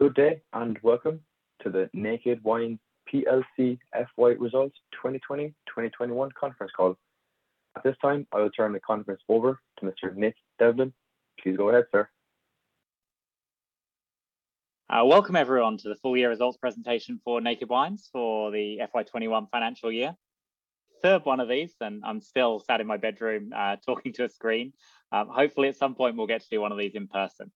Good day, welcome to the Naked Wines PLC FY Results 2020/2021 conference call. At this time, I will turn the conference over to Mr. Nick Devlin. Please go ahead, sir. Welcome everyone, to the full year results presentation for Naked Wines for the FY 2021 financial year. Third one of these, I'm still sat in my bedroom talking to a screen. Hopefully, at some point we'll get to do one of these in person.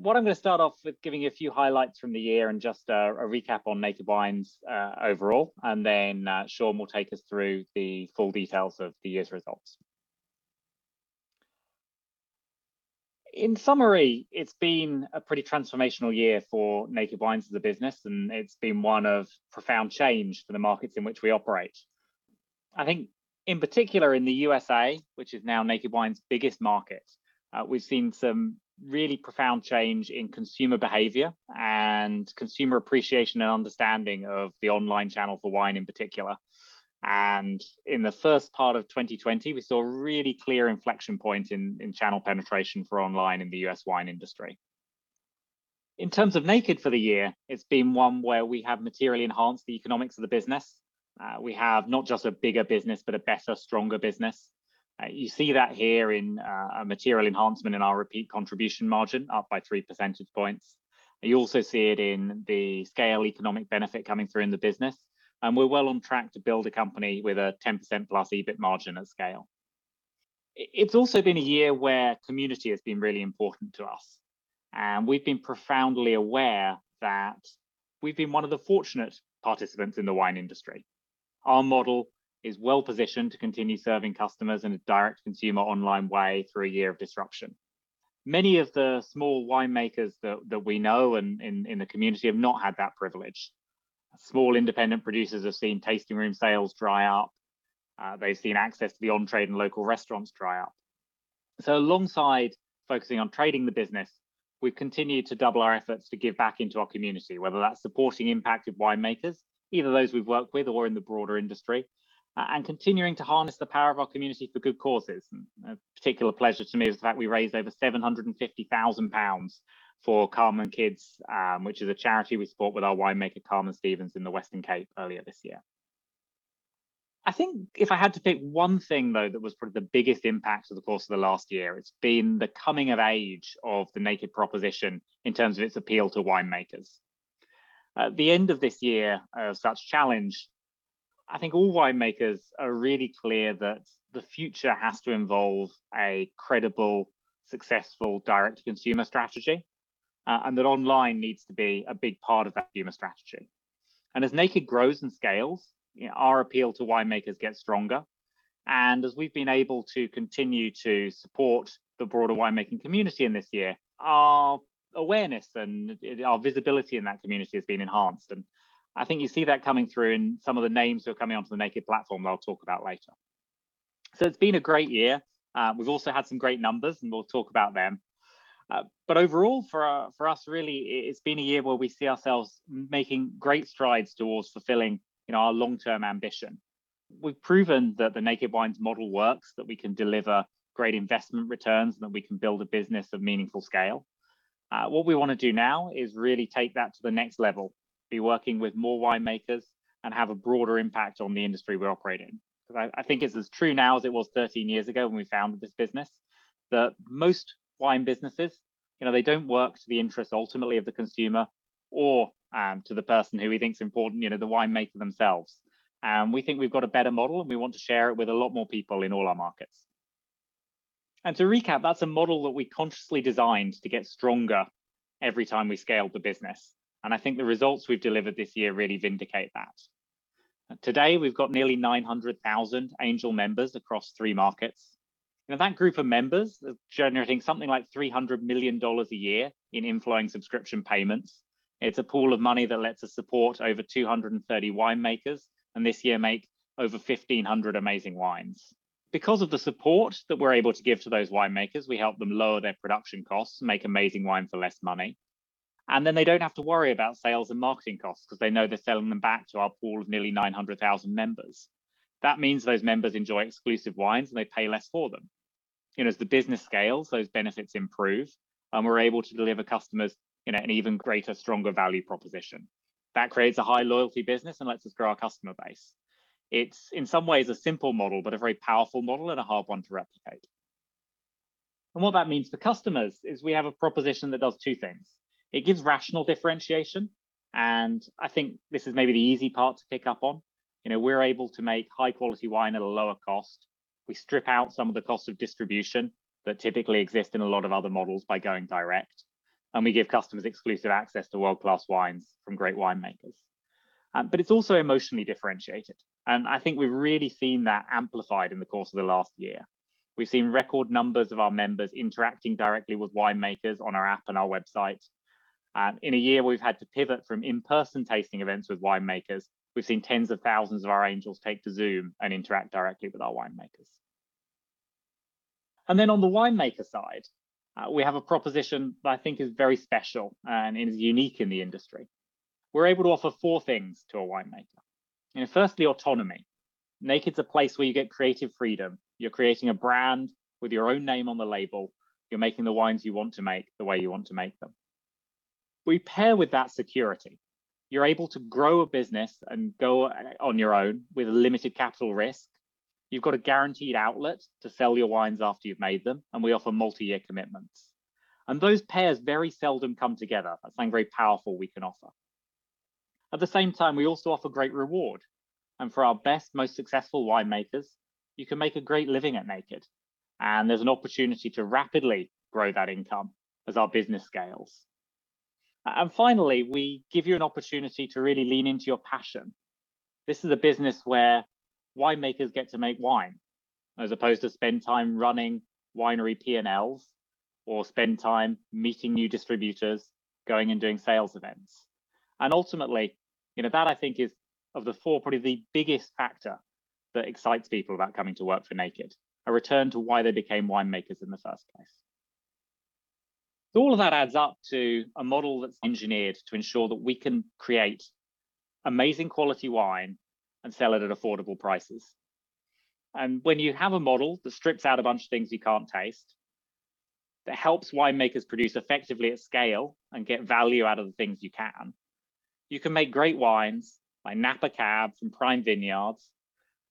I want to start off with giving a few highlights from the year and just a recap on Naked Wines overall, then Shawn will take us through the full details of the year's results. In summary, it's been a pretty transformational year for Naked Wines as a business, it's been one of profound change for the markets in which we operate. I think in particular in the U.S.A., which is now Naked Wines' biggest market, we've seen some really profound change in consumer behavior and consumer appreciation and understanding of the online channel for wine in particular. In the first part of 2020, we saw a really clear inflection point in channel penetration for online in the U.S. wine industry. In terms of Naked for the year, it's been one where we have materially enhanced the economics of the business. We have not just a bigger business, but a better, stronger business. You see that here in a material enhancement in our repeat contribution margin, up by 3 percentage points. You also see it in the scale economic benefit coming through in the business, and we're well on track to build a company with a 10%+ EBIT margin at scale. It's also been a year where community has been really important to us, and we've been profoundly aware that we've been one of the fortunate participants in the wine industry. Our model is well positioned to continue serving customers in a direct-to-consumer online way through a year of disruption. Many of the small winemakers that we know in the community have not had that privilege. Small independent producers have seen tasting room sales dry up. They've seen access to the on-trade and local restaurants dry up. Alongside focusing on trading the business, we've continued to double our efforts to give back into our community, whether that's supporting impacted winemakers, either those we've worked with or in the broader industry, and continuing to harness the power of our community for good causes. A particular pleasure to me is the fact we raised over 750,000 pounds for Carmen's Kids, which is a charity we support with our winemaker, Carmen Stevens, in the Western Cape earlier this year. I think if I had to pick one thing, though, that was probably the biggest impact over the course of the last year, it's been the coming of age of the Naked proposition in terms of its appeal to winemakers. At the end of this year of such challenge, I think all winemakers are really clear that the future has to involve a credible, successful direct consumer strategy, and that online needs to be a big part of that consumer strategy. As Naked grows and scales, our appeal to winemakers gets stronger. As we've been able to continue to support the broader winemaking community in this year, our awareness and our visibility in that community has been enhanced. I think you see that coming through in some of the names that are coming onto the Naked platform that I'll talk about later. It's been a great year. We've also had some great numbers, and we'll talk about them. Overall, for us, really, it's been a year where we see ourselves making great strides towards fulfilling our long-term ambition. We've proven that the Naked Wines model works, that we can deliver great investment returns, and that we can build a business of meaningful scale. What we want to do now is really take that to the next level, be working with more winemakers and have a broader impact on the industry we operate in. I think it's as true now as it was 13 years ago when we founded this business, that most wine businesses, they don't work to the interest ultimately of the consumer or to the person who we think is important, the winemaker themselves. We think we've got a better model, and we want to share it with a lot more people in all our markets. To recap, that's a model that we consciously designed to get stronger every time we scaled the business. I think the results we've delivered this year really vindicate that. Today, we've got nearly 900,000 Angel members across three markets. That group of members have generated something like $300 million a year in inflow and subscription payments. It's a pool of money that lets us support over 230 winemakers, and this year make over 1,500 amazing wines. Because of the support that we're able to give to those winemakers, we help them lower their production costs and make amazing wine for less money. They don't have to worry about sales and marketing costs because they know they're selling them back to our pool of nearly 900,000 members. That means those members enjoy exclusive wines, and they pay less for them. As the business scales, those benefits improve, and we're able to deliver customers an even greater, stronger value proposition. That creates a high loyalty business and lets us grow our customer base. It's in some ways a simple model, but a very powerful model and a hard one to replicate. What that means for customers is we have a proposition that does two things. It gives rational differentiation, and I think this is maybe the easy part to pick up on. We're able to make high quality wine at a lower cost. We strip out some of the cost of distribution that typically exists in a lot of other models by going direct, and we give customers exclusive access to world-class wines from great winemakers. It's also emotionally differentiated, and I think we've really seen that amplified in the course of the last year. We've seen record numbers of our members interacting directly with winemakers on our app and our websites. In a year, we've had to pivot from in-person tasting events with winemakers. We've seen tens of thousands of our Angels take to Zoom and interact directly with our winemakers. On the winemaker side, we have a proposition that I think is very special and is unique in the industry. We're able to offer four things to a winemaker. Firstly, autonomy. Naked's a place where you get creative freedom. You're creating a brand with your own name on the label. You're making the wines you want to make the way you want to make them. We pair with that security. You're able to grow a business and go on your own with a limited capital risk. You've got a guaranteed outlet to sell your wines after you've made them, and we offer multi-year commitments. Those pairs very seldom come together. That's something very powerful we can offer. At the same time, we also offer great reward, and for our best, most successful winemakers, you can make a great living at Naked, and there's an opportunity to rapidly grow that income as our business scales. Finally, we give you an opportunity to really lean into your passion. This is a business where winemakers get to make wine, as opposed to spend time running winery P&Ls or spend time meeting new distributors, going and doing sales events. Ultimately, that I think is, of the four, probably the biggest factor that excites people about coming to work for Naked. A return to why they became winemakers in the first place. All of that adds up to a model that's engineered to ensure that we can create amazing quality wine and sell it at affordable prices. When you have a model that strips out a bunch of things you can't taste, that helps winemakers produce effectively at scale and get value out of the things you can, you can make great wines like Napa Cab from prime vineyards,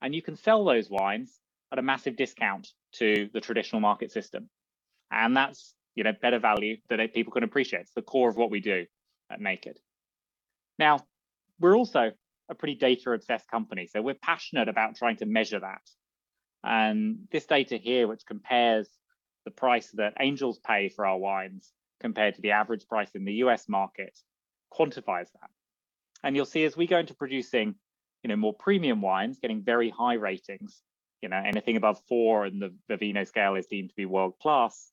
and you can sell those wines at a massive discount to the traditional market system, and that's better value that people can appreciate. It's the core of what we do at Naked. We're also a pretty data-obsessed company, we're passionate about trying to measure that. This data here, which compares the price that Angels pay for our wines compared to the average price in the U.S. market, quantifies that. You'll see as we go into producing more premium wines, getting very high ratings, anything above four in the Vivino scale is deemed to be world-class.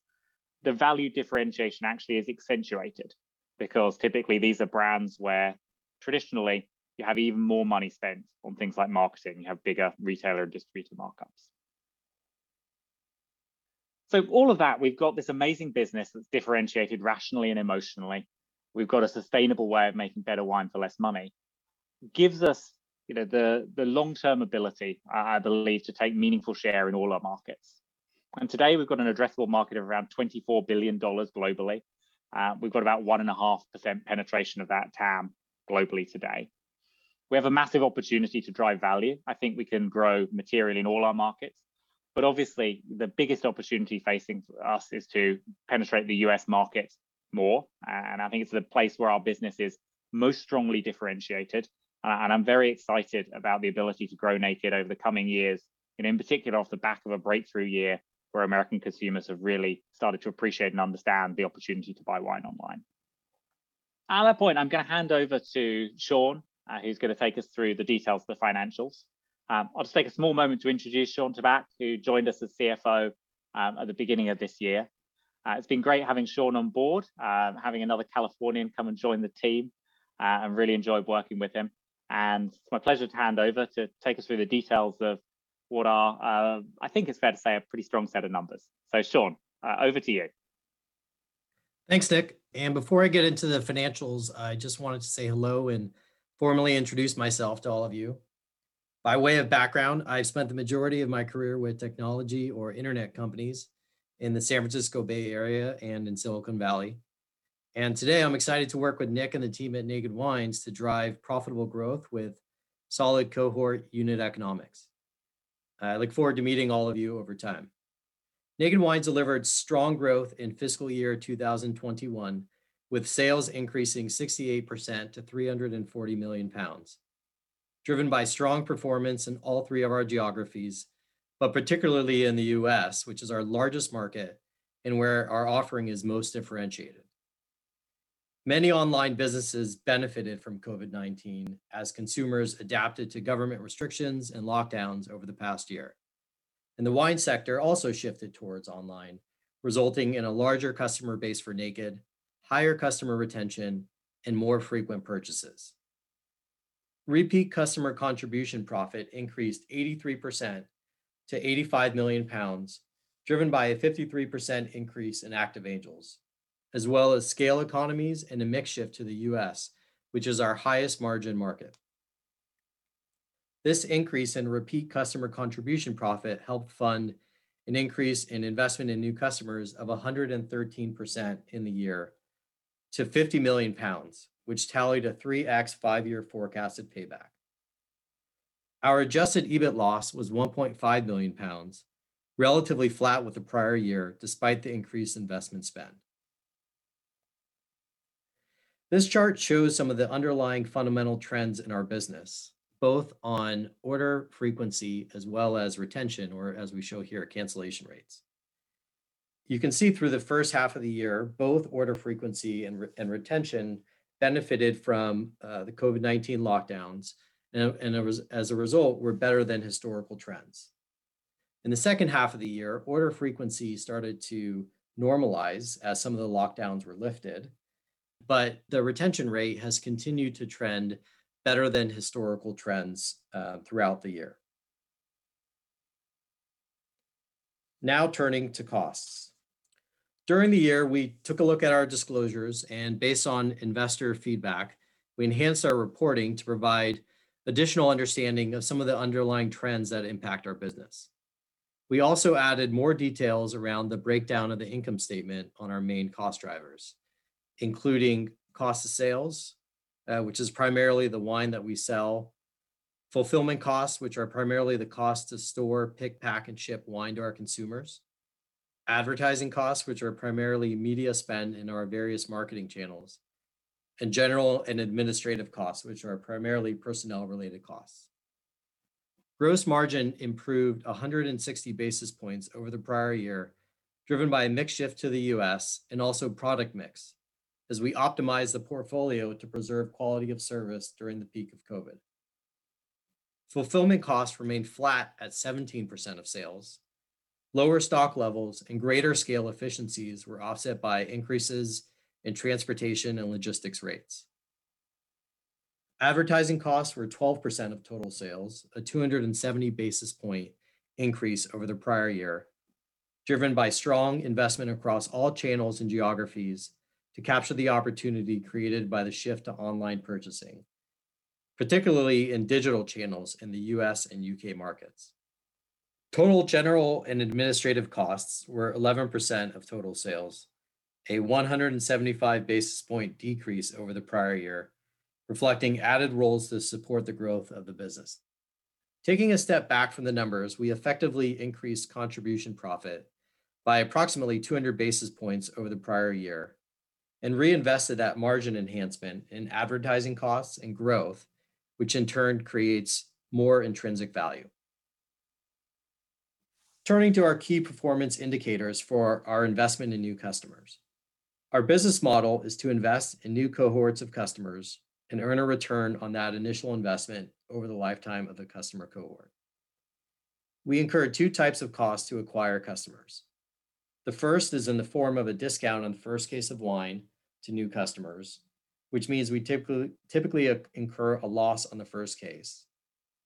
The value differentiation actually is accentuated because typically these are brands where traditionally you have even more money spent on things like marketing. You have bigger retailer and distributor markups. All of that, we've got this amazing business that's differentiated rationally and emotionally. We've got a sustainable way of making better wine for less money. Gives us the long-term ability, I believe, to take meaningful share in all our markets. Today we've got an addressable market of around $24 billion globally. We've got about 1.5% penetration of that TAM globally today. We have a massive opportunity to drive value. I think we can grow materially in all our markets, but obviously the biggest opportunity facing us is to penetrate the U.S. market more. I think it's the place where our business is most strongly differentiated, and I'm very excited about the ability to grow Naked over the coming years, and in particular, off the back of a breakthrough year where American consumers have really started to appreciate and understand the opportunity to buy wine online. At that point, I'm going to hand over to Shawn, who's going to take us through the details of the financials. I'll just take a small moment to introduce Shawn Tabak, who joined us as CFO at the beginning of this year. It's been great having Shawn on board, having another Californian come and join the team, and really enjoyed working with him. It's my pleasure to hand over to take us through the details of what are, I think it's fair to say, a pretty strong set of numbers. Shawn, over to you. Thanks, Nick. Before I get into the financials, I just wanted to say hello and formally introduce myself to all of you. By way of background, I've spent the majority of my career with technology or internet companies in the San Francisco Bay Area and in Silicon Valley. Today I'm excited to work with Nick and the team at Naked Wines to drive profitable growth with solid cohort unit economics. I look forward to meeting all of you over time. Naked Wines delivered strong growth in fiscal year 2021, with sales increasing 68% to 340 million pounds, driven by strong performance in all three of our geographies, but particularly in the U.S., which is our largest market and where our offering is most differentiated. Many online businesses benefited from COVID-19 as consumers adapted to government restrictions and lockdowns over the past year. The wine sector also shifted towards online, resulting in a larger customer base for Naked, higher customer retention, and more frequent purchases. Repeat customer contribution profit increased 83% to 85 million pounds, driven by a 53% increase in active Angels, as well as scale economies and a mix shift to the U.S., which is our highest margin market. This increase in repeat customer contribution profit helped fund an increase in investment in new customers of 113% in the year to 50 million pounds, which tallied a 3x five-year forecasted payback. Our adjusted EBIT loss was 1.5 million pounds, relatively flat with the prior year despite the increased investment spend. This chart shows some of the underlying fundamental trends in our business, both on order frequency as well as retention, or as we show here, cancellation rates. You can see through the first half of the year, both order frequency and retention benefited from the COVID-19 lockdowns, and as a result, were better than historical trends. In the second half of the year, order frequency started to normalize as some of the lockdowns were lifted, but the retention rate has continued to trend better than historical trends throughout the year. Now turning to costs. During the year, we took a look at our disclosures, and based on investor feedback, we enhanced our reporting to provide additional understanding of some of the underlying trends that impact our business. We also added more details around the breakdown of the income statement on our main cost drivers, including cost of sales, which is primarily the wine that we sell. Fulfillment costs, which are primarily the cost to store, pick, pack, and ship wine to our consumers. Advertising costs, which are primarily media spend in our various marketing channels. General and administrative costs, which are primarily personnel-related costs. Gross margin improved 160 basis points over the prior year, driven by a mix shift to the U.S. and also product mix as we optimized the portfolio to preserve quality of service during the peak of COVID-19. Fulfillment costs remained flat at 17% of sales. Lower stock levels and greater scale efficiencies were offset by increases in transportation and logistics rates. Advertising costs were 12% of total sales, a 270 basis point increase over the prior year, driven by strong investment across all channels and geographies to capture the opportunity created by the shift to online purchasing, particularly in digital channels in the U.S. and U.K. markets. Total general and administrative costs were 11% of total sales, a 175 basis point decrease over the prior year, reflecting added roles to support the growth of the business. Taking a step back from the numbers, we effectively increased contribution profit by approximately 200 basis points over the prior year and reinvested that margin enhancement in advertising costs and growth, which in turn creates more intrinsic value. Turning to our key performance indicators for our investment in new customers. Our business model is to invest in new cohorts of customers and earn a return on that initial investment over the lifetime of the customer cohort. We incur two types of costs to acquire customers. The first is in the form of a discount on the first case of wine to new customers, which means we typically incur a loss on the first case.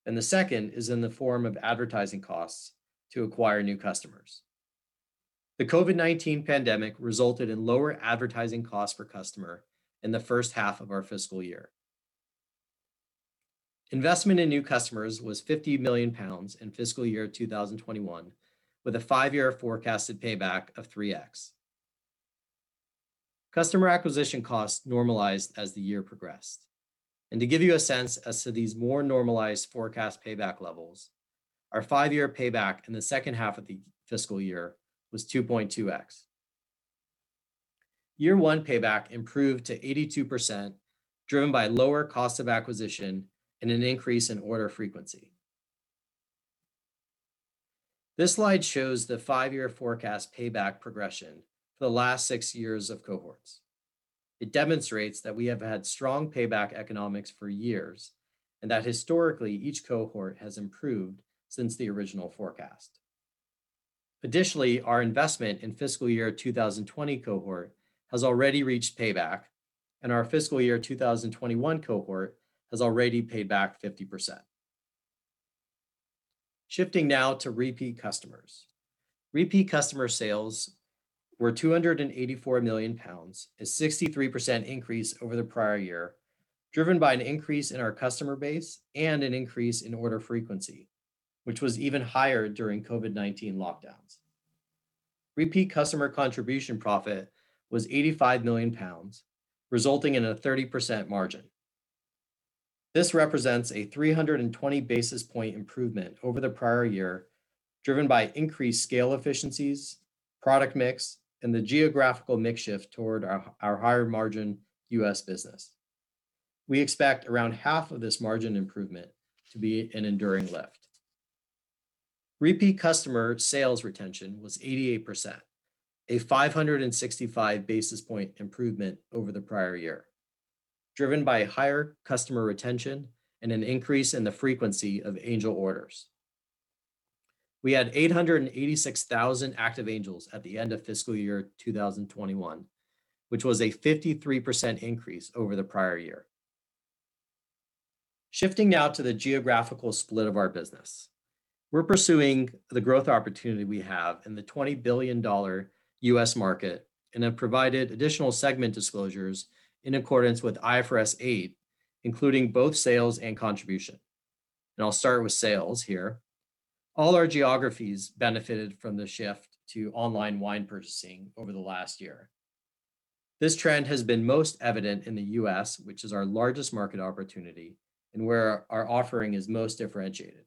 The second is in the form of advertising costs to acquire new customers. The COVID-19 pandemic resulted in lower advertising cost per customer in the first half of our fiscal year. Investment in new customers was 50 million pounds in fiscal year 2021, with a five-year forecasted payback of 3x. Customer acquisition costs normalized as the year progressed. To give you a sense as to these more normalized forecast payback levels, our five-year payback in the second half of the fiscal year was 2.2x. Year one payback improved to 82%, driven by lower cost of acquisition and an increase in order frequency. This slide shows the five-year forecast payback progression for the last six years of cohorts. It demonstrates that we have had strong payback economics for years and that historically, each cohort has improved since the original forecast. Additionally, our investment in FY 2020 cohort has already reached payback, and our FY 2021 cohort has already paid back 50%. Shifting now to repeat customers. Repeat customer sales were 284 million pounds, a 63% increase over the prior year, driven by an increase in our customer base and an increase in order frequency, which was even higher during COVID-19 lockdowns. Repeat customer contribution profit was 85 million pounds, resulting in a 30% margin. This represents a 320 basis point improvement over the prior year, driven by increased scale efficiencies, product mix, and the geographical mix shift toward our higher margin U.S. business. We expect around half of this margin improvement to be an enduring lift. Repeat customer sales retention was 88%, a 565 basis point improvement over the prior year, driven by higher customer retention and an increase in the frequency of Angel orders. We had 886,000 active Angels at the end of fiscal year 2021, which was a 53% increase over the prior year. Shifting now to the geographical split of our business. We're pursuing the growth opportunity we have in the $20 billion U.S. market and have provided additional segment disclosures in accordance with IFRS 8, including both sales and contribution. I'll start with sales here. All our geographies benefited from the shift to online wine purchasing over the last year. This trend has been most evident in the U.S., which is our largest market opportunity and where our offering is most differentiated.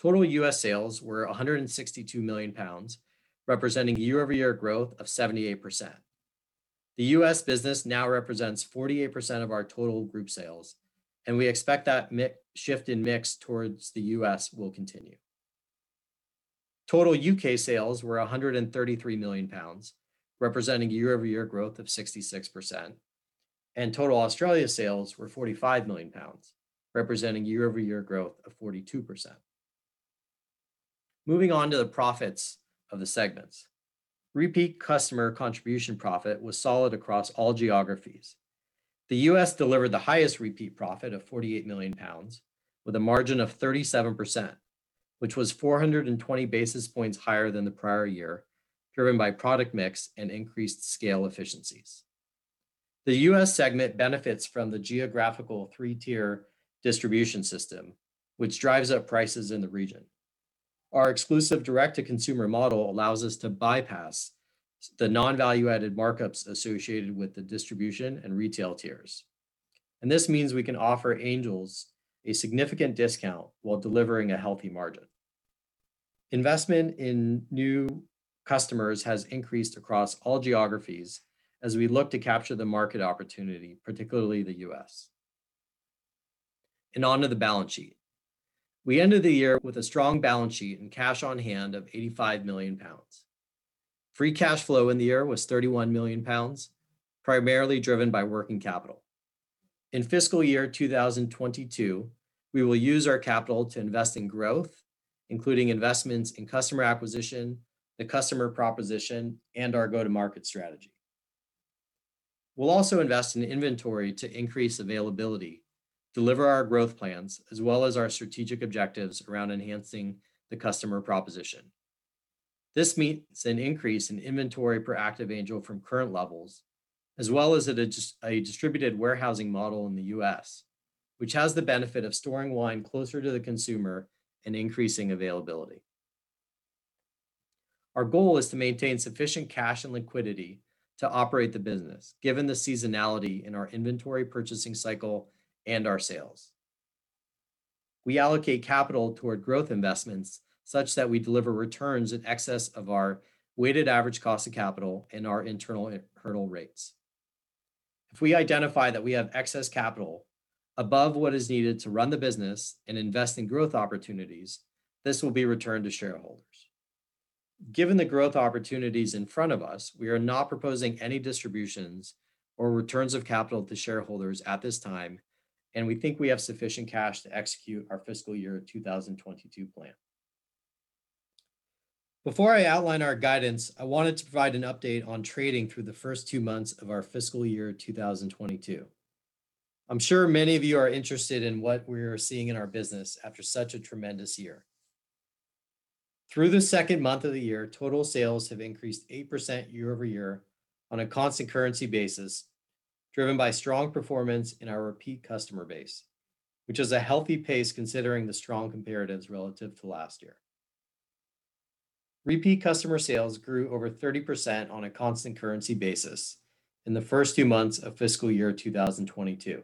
Total U.S. sales were 162 million pounds, representing year-over-year growth of 78%. The U.S. business now represents 48% of our total group sales, and we expect that shift in mix towards the U.S. will continue. Total U.K. sales were 133 million pounds, representing year-over-year growth of 66%, and total Australia sales were 45 million pounds, representing year-over-year growth of 42%. Moving on to the profits of the segments. Repeat customer contribution profit was solid across all geographies. The U.S. delivered the highest repeat profit of 48 million pounds, with a margin of 37%, which was 420 basis points higher than the prior year, driven by product mix and increased scale efficiencies. The U.S. segment benefits from the geographical three-tier distribution system, which drives up prices in the region. Our exclusive direct-to-consumer model allows us to bypass the non-value-added markups associated with the distribution and retail tiers. This means we can offer Angels a significant discount while delivering a healthy margin. Investment in new customers has increased across all geographies as we look to capture the market opportunity, particularly the U.S. Onto the balance sheet. We ended the year with a strong balance sheet and cash on hand of 85 million pounds. Free cash flow in the year was 31 million pounds, primarily driven by working capital. In fiscal year 2022, we will use our capital to invest in growth, including investments in customer acquisition, the customer proposition, and our go-to-market strategy. We'll also invest in inventory to increase availability, deliver our growth plans, as well as our strategic objectives around enhancing the customer proposition. This means an increase in inventory per active Angel from current levels, as well as a distributed warehousing model in the U.S., which has the benefit of storing wine closer to the consumer and increasing availability. Our goal is to maintain sufficient cash and liquidity to operate the business, given the seasonality in our inventory purchasing cycle and our sales. We allocate capital toward growth investments such that we deliver returns in excess of our weighted average cost of capital and our internal rates. If we identify that we have excess capital above what is needed to run the business and invest in growth opportunities, this will be returned to shareholders. Given the growth opportunities in front of us, we are not proposing any distributions or returns of capital to shareholders at this time, and we think we have sufficient cash to execute our fiscal year 2022 plan. Before I outline our guidance, I wanted to provide an update on trading through the first two months of our fiscal year 2022. I'm sure many of you are interested in what we are seeing in our business after such a tremendous year. Through the second month of the year, total sales have increased 8% year-over-year on a constant currency basis, driven by strong performance in our repeat customer base, which is a healthy pace considering the strong comparatives relative to last year. Repeat customer sales grew over 30% on a constant currency basis in the first two months of fiscal year 2022.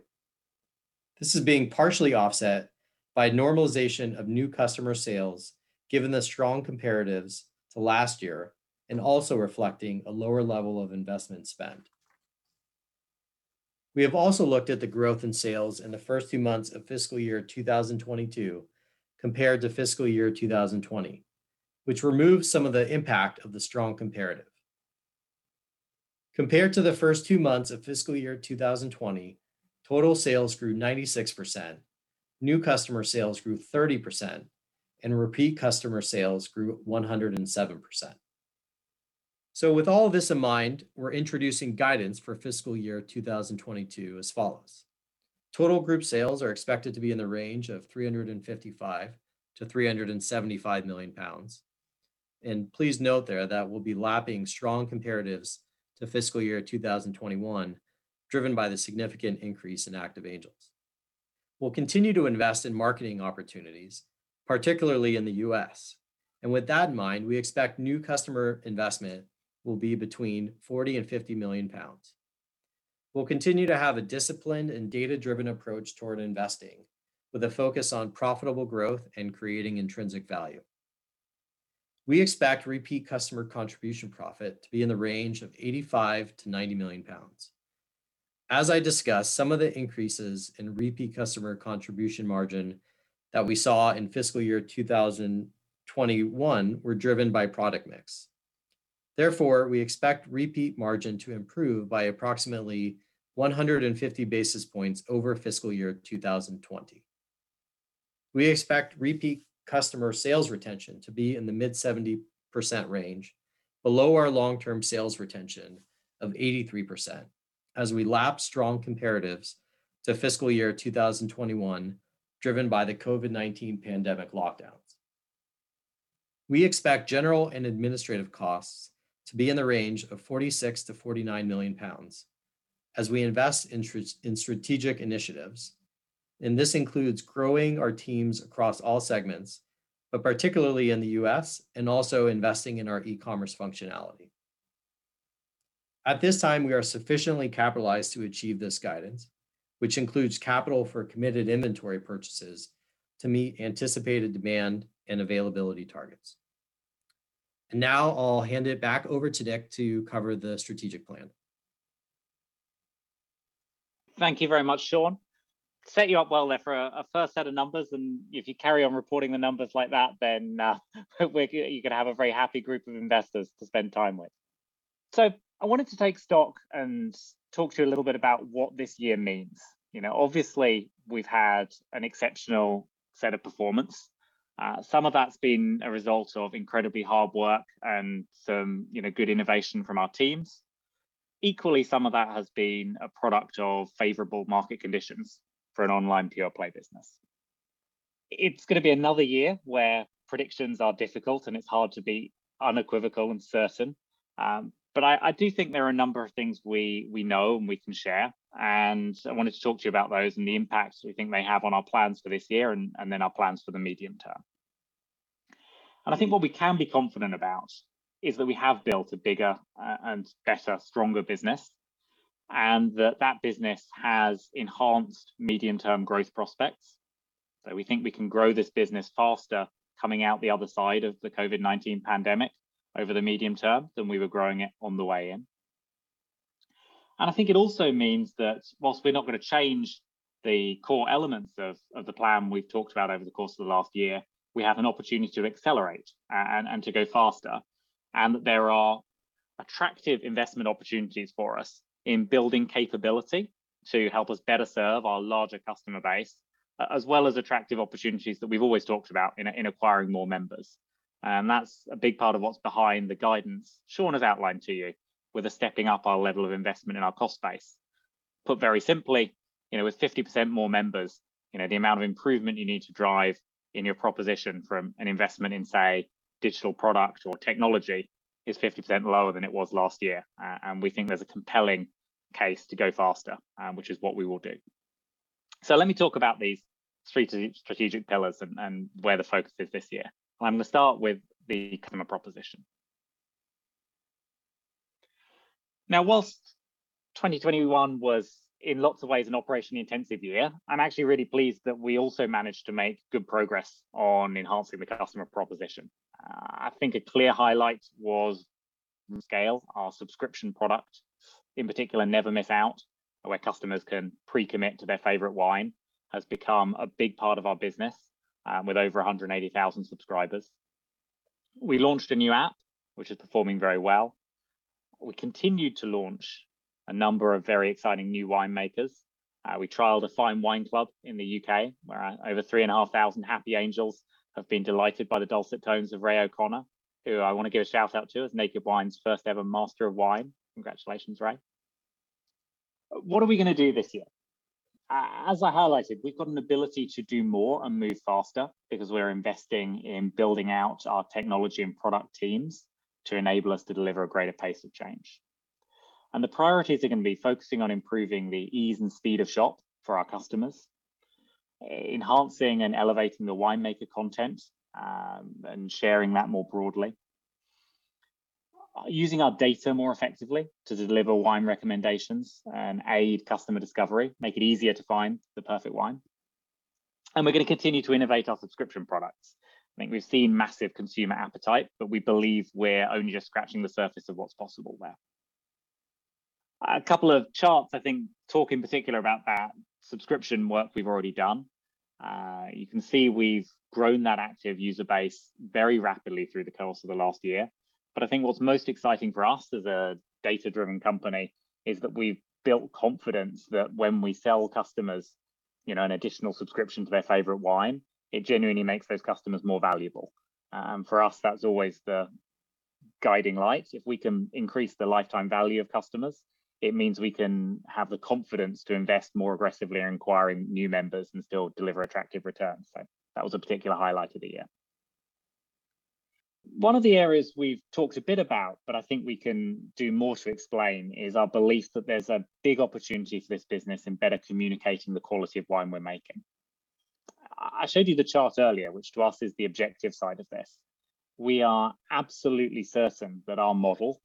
This is being partially offset by normalization of new customer sales, given the strong comparatives to last year and also reflecting a lower level of investment spend. We have also looked at the growth in sales in the first two months of fiscal year 2022 compared to fiscal year 2020, which removes some of the impact of the strong comparative. Compared to the first two months of fiscal year 2020, total sales grew 96%, new customer sales grew 30%, and repeat customer sales grew 107%. With all this in mind, we're introducing guidance for fiscal year 2022 as follows. Total group sales are expected to be in the range of 355 million-375 million pounds, and please note there that we'll be lapping strong comparatives to fiscal year 2021, driven by the significant increase in active Angels. We'll continue to invest in marketing opportunities, particularly in the U.S. With that in mind, we expect new customer investment will be between 40 million and 50 million pounds. We'll continue to have a disciplined and data-driven approach toward investing, with a focus on profitable growth and creating intrinsic value. We expect repeat customer contribution profit to be in the range of 85 million-90 million pounds. As I discussed, some of the increases in repeat customer contribution margin that we saw in fiscal year 2021 were driven by product mix. Therefore, we expect repeat margin to improve by approximately 150 basis points over fiscal year 2020. We expect repeat customer sales retention to be in the mid 70% range, below our long-term sales retention of 83%, as we lap strong comparatives to fiscal year 2021, driven by the COVID-19 pandemic lockdowns. We expect general and administrative costs to be in the range of 46 million-49 million pounds as we invest in strategic initiatives, and this includes growing our teams across all segments, but particularly in the U.S., and also investing in our e-commerce functionality. At this time, we are sufficiently capitalized to achieve this guidance, which includes capital for committed inventory purchases to meet anticipated demand and availability targets. Now I'll hand it back over to Nick to cover the strategic plan. Thank you very much, Shawn. Set you up well there for a first set of numbers, and if you carry on reporting the numbers like that, then you're going to have a very happy group of investors to spend time with. I wanted to take stock and talk to you a little bit about what this year means. Obviously, we've had an exceptional set of performance. Some of that's been a result of incredibly hard work and some good innovation from our teams. Equally, some of that has been a product of favorable market conditions for an online pure-play business. It's going to be another year where predictions are difficult and it's hard to be unequivocal and certain. I do think there are a number of things we know and we can share. I wanted to talk to you about those and the impacts we think they have on our plans for this year and then our plans for the medium term. I think what we can be confident about is that we have built a bigger and better, stronger business, and that that business has enhanced medium-term growth prospects. We think we can grow this business faster coming out the other side of the COVID-19 pandemic over the medium term than we were growing it on the way in. I think it also means that whilst we're not going to change the core elements of the plan we've talked about over the course of the last year, we have an opportunity to accelerate and to go faster. That there are attractive investment opportunities for us in building capability to help us better serve our larger customer base, as well as attractive opportunities that we've always talked about in acquiring more members. That's a big part of what's behind the guidance Shawn has outlined to you with the stepping up our level of investment in our cost base. Put very simply, with 50% more members, the amount of improvement you need to drive in your proposition from an investment in, say, digital product or technology is 50% lower than it was last year. We think there's a compelling case to go faster, which is what we will do. Let me talk about these three strategic pillars and where the focus is this year. I'm going to start with the customer proposition. Whilst 2021 was, in lots of ways, an operationally intensive year, I'm actually really pleased that we also managed to make good progress on enhancing the customer proposition. I think a clear highlight was scale, our subscription product. In particular, Never Miss Out, where customers can pre-commit to their favorite wine, has become a big part of our business with over 180,000 subscribers. We launched a new app which is performing very well. We continued to launch a number of very exciting new winemakers. We trialed a fine wine club in the U.K., where over 3,500 happy Angels have been delighted by the dulcet tones of Ray O'Connor, who I want to give a shout-out to as Naked Wines' first-ever Master of Wine. Congratulations, Ray. What are we going to do this year? As I highlighted, we've got an ability to do more and move faster because we're investing in building out our technology and product teams to enable us to deliver a greater pace of change. The priorities are going to be focusing on improving the ease and speed of shop for our customers, enhancing and elevating the winemaker content, and sharing that more broadly. Using our data more effectively to deliver wine recommendations and aid customer discovery. Make it easier to find the perfect wine. We're going to continue to innovate our subscription products. I think we've seen massive consumer appetite, we believe we're only just scratching the surface of what's possible there. A couple of charts, I think, talk in particular about that subscription work we've already done. You can see we've grown that active user base very rapidly through the course of the last year. I think what's most exciting for us as a data-driven company is that we've built confidence that when we sell customers an additional subscription to their favorite wine, it genuinely makes those customers more valuable. For us, that's always the guiding light. If we can increase the lifetime value of customers, it means we can have the confidence to invest more aggressively in acquiring new members and still deliver attractive returns. That was a particular highlight of the year. One of the areas we've talked a bit about, but I think we can do more to explain, is our belief that there's a big opportunity for this business in better communicating the quality of wine we're making. I showed you the chart earlier, which to us is the objective side of this. We are absolutely certain that our model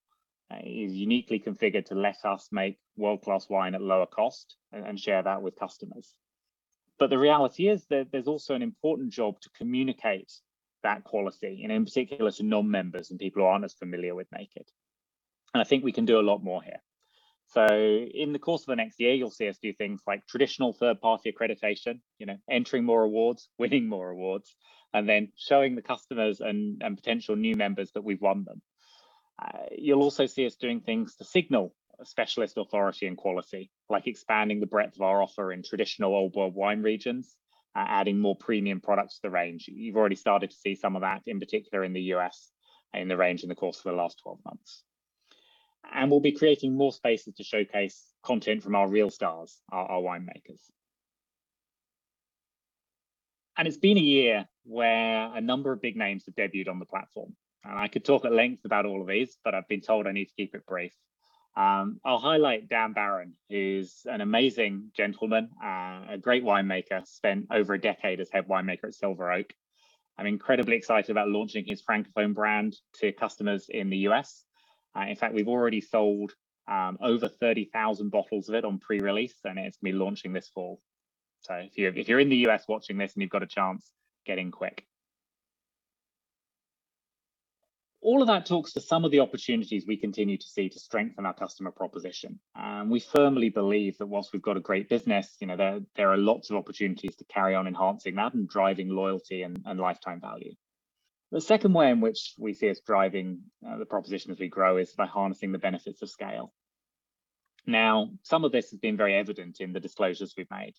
is uniquely configured to let us make world-class wine at lower cost and share that with customers. The reality is that there's also an important job to communicate that quality, and in particular to non-members and people who aren't as familiar with Naked. I think we can do a lot more here. In the course of the next year, you'll see us do things like traditional third-party accreditation, entering more awards, winning more awards, and then showing the customers and potential new members that we've won them. You'll also see us doing things to signal specialist authority and quality, like expanding the breadth of our offer in traditional Old World wine regions, adding more premium products to the range. You've already started to see some of that, in particular in the U.S., in the range in the course of the last 12 months. We'll be creating more spaces to showcase content from our real stars, our winemakers. It's been a year where a number of big names have debuted on the platform. I could talk at length about all of these, but I've been told I need to keep it brief. I'll highlight Dan Baron, who's an amazing gentleman, a great winemaker, spent over a decade as head winemaker at Silver Oak. I'm incredibly excited about launching his Francophone brand to customers in the U.S. In fact, we've already sold over 30,000 bottles of it on pre-release, and it's going to be launching this fall. If you're in the U.S. watching this and you've got a chance, get in quick. All of that talks to some of the opportunities we continue to see to strengthen our customer proposition. We firmly believe that whilst we've got a great business, there are lots of opportunities to carry on enhancing that and driving loyalty and lifetime value. The second way in which we see us driving the proposition as we grow is by harnessing the benefits of scale. Some of this has been very evident in the disclosures we've made.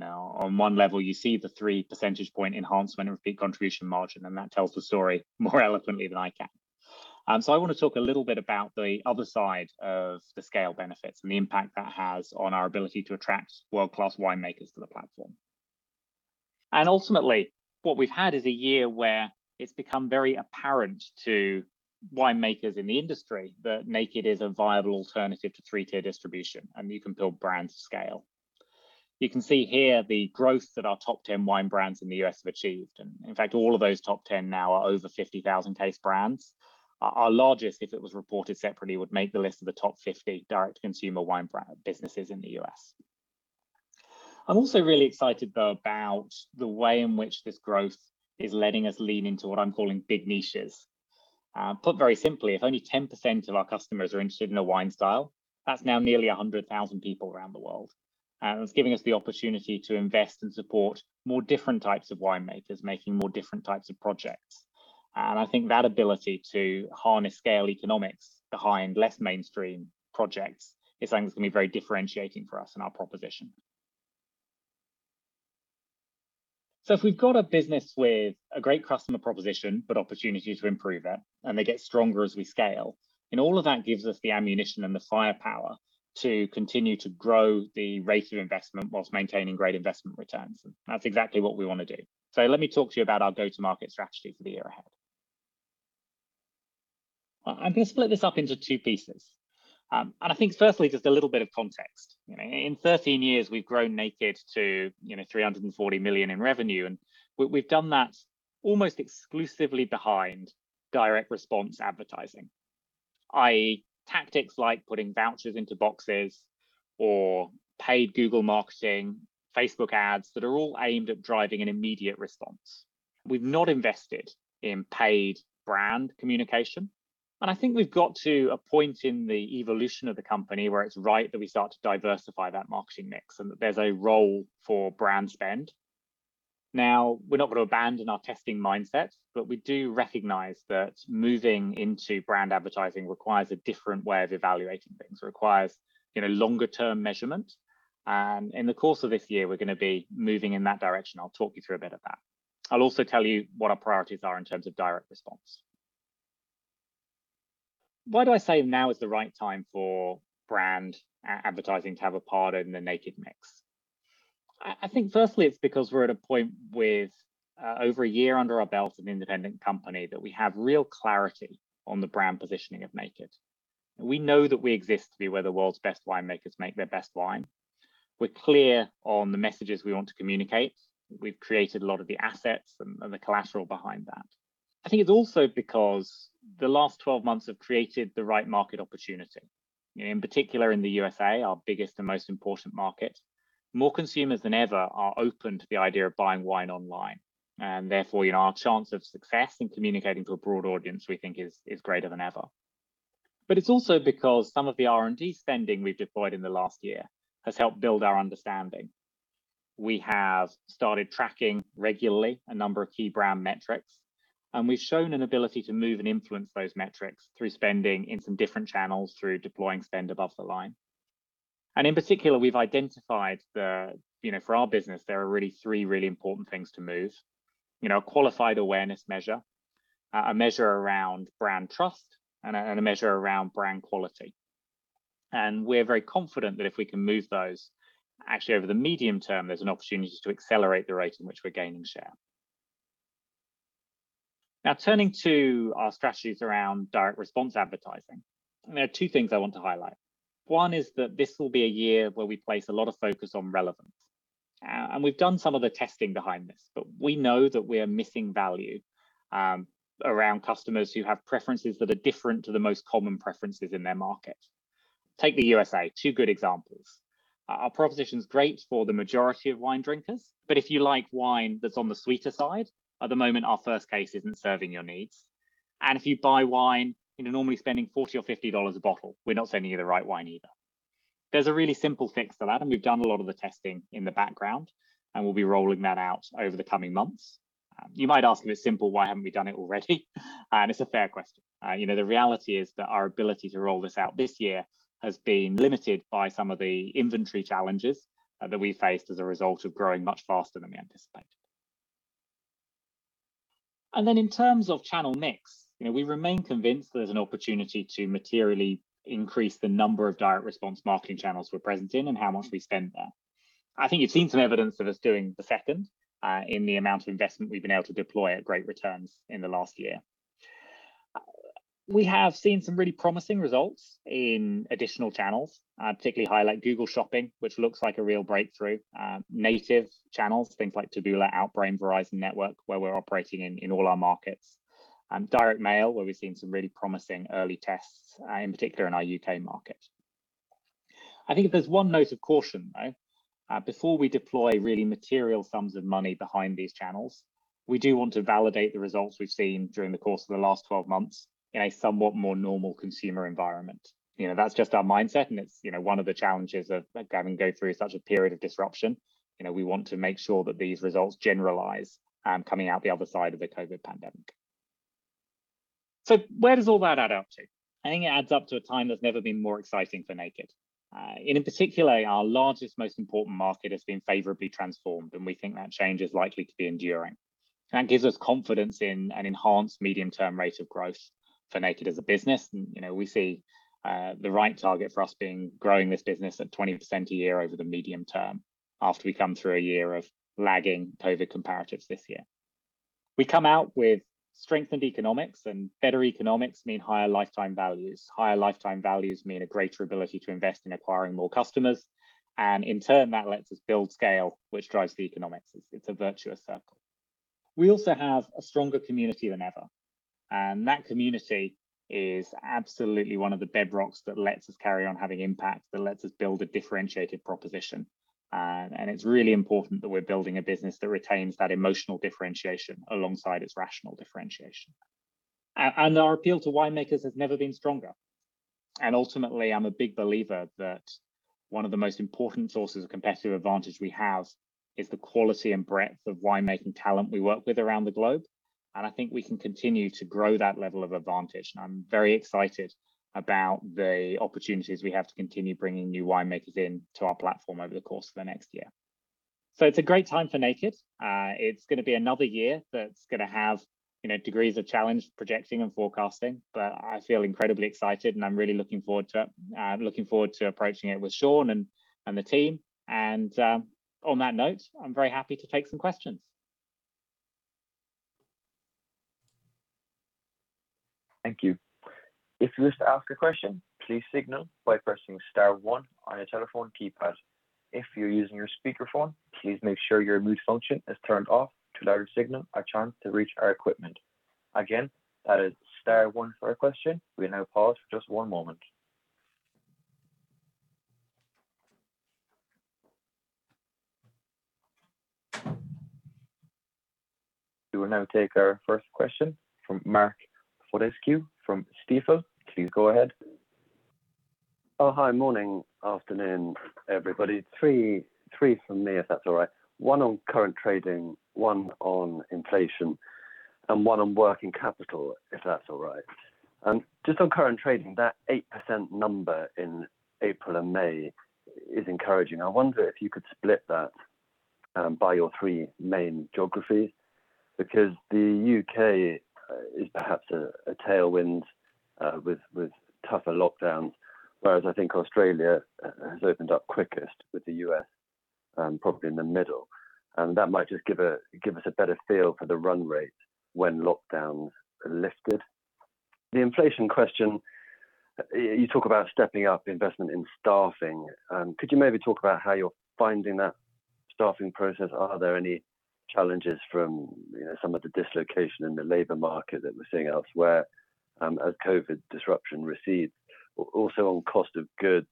On one level, you see the 3 percentage point enhancement of the contribution margin, and that tells the story more eloquently than I can. I want to talk a little bit about the other side of the scale benefits and the impact that has on our ability to attract world-class winemakers to the platform. Ultimately, what we've had is a year where it's become very apparent to winemakers in the industry that Naked is a viable alternative to three-tier distribution, and you can build brand scale. You can see here the growth that our top 10 wine brands in the U.S. have achieved. In fact, all of those top 10 now are over 50,000 case brands. Our largest, if it was reported separately, would make the list of the top 50 direct-to-consumer wine brand businesses in the U.S. I'm also really excited, though, about the way in which this growth is letting us lean into what I'm calling big niches. Put very simply, if only 10% of our customers are interested in a wine style, that's now nearly 100,000 people around the world. It's giving us the opportunity to invest and support more different types of winemakers making more different types of projects. I think that ability to harness scale economics behind less mainstream projects is only going to be very differentiating for us in our proposition. If we've got a business with a great customer proposition, but opportunity to improve it, and they get stronger as we scale, all of that gives us the ammunition and the firepower to continue to grow the rate of investment whilst maintaining great investment returns. That's exactly what we want to do. Let me talk to you about our go-to-market strategy for the year ahead. I'm going to split this up into two pieces. I think firstly, just a little bit of context. In 13 years, we've grown Naked to 340 million in revenue. We've done that almost exclusively behind direct response advertising, i.e., tactics like putting vouchers into boxes or paid Google marketing, Facebook ads, that are all aimed at driving an immediate response. We've not invested in paid brand communication. I think we've got to a point in the evolution of the company where it's right that we start to diversify that marketing mix and that there's a role for brand spend. We're not going to abandon our testing mindsets, we do recognize that moving into brand advertising requires a different way of evaluating things. It requires longer-term measurement. In the course of this year, we're going to be moving in that direction. I'll talk you through a bit of that. I'll also tell you what our priorities are in terms of direct response. Why do I say now is the right time for brand advertising to have a part in the Naked mix? I think firstly, it's because we're at a point with over a year under our belt of an independent company that we have real clarity on the brand positioning of Naked. We know that we exist to be where the world's best winemakers make their best wine. We're clear on the messages we want to communicate. We've created a lot of the assets and the collateral behind that. I think it's also because the last 12 months have created the right market opportunity. In particular, in the USA, our biggest and most important market, more consumers than ever are open to the idea of buying wine online, and therefore our chance of success in communicating to a broad audience, we think, is greater than ever. It's also because some of the R&D spending we deployed in the last year has helped build our understanding. We have started tracking regularly a number of key brand metrics, and we've shown an ability to move and influence those metrics through spending in some different channels through deploying spend above the line. In particular, we've identified for our business, there are really three really important things to move. A qualified awareness measure, a measure around brand trust, and a measure around brand quality. We're very confident that if we can move those, actually over the medium term, there's an opportunity to accelerate the rate in which we're gaining share. Now, turning to our strategies around direct response advertising, there are two things I want to highlight. One is that this will be a year where we place a lot of focus on relevance. We've done some of the testing behind this, but we know that we are missing value around customers who have preferences that are different to the most common preferences in their market. Take the USA, two good examples. Our proposition is great for the majority of wine drinkers, but if you like wine that's on the sweeter side, at the moment, our first case isn't serving your needs. If you buy wine, you're normally spending $40 or $50 a bottle. We're not selling you the right wine either. There's a really simple fix for that, and we've done a lot of the testing in the background, and we'll be rolling that out over the coming months. You might ask me, "It's simple. Why haven't we done it already?" It's a fair question. The reality is that our ability to roll this out this year has been limited by some of the inventory challenges that we faced as a result of growing much faster than we anticipated. In terms of channel mix, we remain convinced there's an opportunity to materially increase the number of direct response marketing channels we're present in and how much we spend there. I think you've seen some evidence of us doing the second in the amount of investment we've been able to deploy at great returns in the last year. We have seen some really promising results in additional channels. Particularly highlight Google Shopping, which looks like a real breakthrough. Native channels, things like Taboola, Outbrain, Verizon network, where we're operating in all our markets. Direct mail, where we've seen some really promising early tests, in particular in our U.K. market. I think there's one note of caution, though. Before we deploy really material sums of money behind these channels, we do want to validate the results we've seen during the course of the last 12 months in a somewhat more normal consumer environment. That's just our mindset, and it's one of the challenges of having to go through such a period of disruption. We want to make sure that these results generalize coming out the other side of the COVID-19 pandemic. Where does all that add up to? I think it adds up to a time that's never been more exciting for Naked Wines. In particular, our largest, most important market has been favorably transformed, and we think that change is likely to be enduring. That gives us confidence in an enhanced medium-term rate of growth for Naked Wines as a business. We see the right target for us being growing this business at 20% a year over the medium term, after we come through a year of lagging COVID-19 comparatives this year. We come out with strengthened economics. Better economics mean higher lifetime values. Higher lifetime values mean a greater ability to invest in acquiring more customers. In turn, that lets us build scale, which drives the economics. It's a virtuous circle. We also have a stronger community than ever. That community is absolutely one of the bedrocks that lets us carry on having impact, that lets us build a differentiated proposition. It's really important that we're building a business that retains that emotional differentiation alongside its rational differentiation. Our appeal to winemakers has never been stronger. Ultimately, I'm a big believer that one of the most important sources of competitive advantage we have is the quality and breadth of winemaking talent we work with around the globe. I think we can continue to grow that level of advantage. I'm very excited about the opportunities we have to continue bringing new winemakers in to our platform over the course of the next year. It's a great time for Naked. It's going to be another year that's going to have degrees of challenge projecting and forecasting, but I feel incredibly excited, and I'm really looking forward to it. I'm looking forward to approaching it with Shawn and the team. On that note, I'm very happy to take some questions. Thank you. If you wish to ask a question, please signal by pressing star one on your telephone keypad. If you're using your speakerphone, please make sure your mute function is turned off to allow your signal a chance to reach our equipment. Again, that is star one for a question. We now pause for just one moment. We will now take our first question from Mark Fortescue from Stifel. Please go ahead. Hi. Morning, afternoon, everybody. Three from me, if that's all right. One on current trading, one on inflation, and one on working capital, if that's all right. Just on current trading, that 8% number in April and May is encouraging. I wonder if you could split that by your three main geographies, because the U.K. is perhaps a tailwind with tougher lockdowns, whereas I think Australia has opened up quickest, with the U.S. probably in the middle. That might just give us a better feel for the run rate when lockdowns are lifted. The inflation question, you talk about stepping up investment in staffing. Could you maybe talk about how you're finding that staffing process? Are there any challenges from some of the dislocation in the labor market that we're seeing elsewhere as COVID-19 disruption recedes? On cost of goods,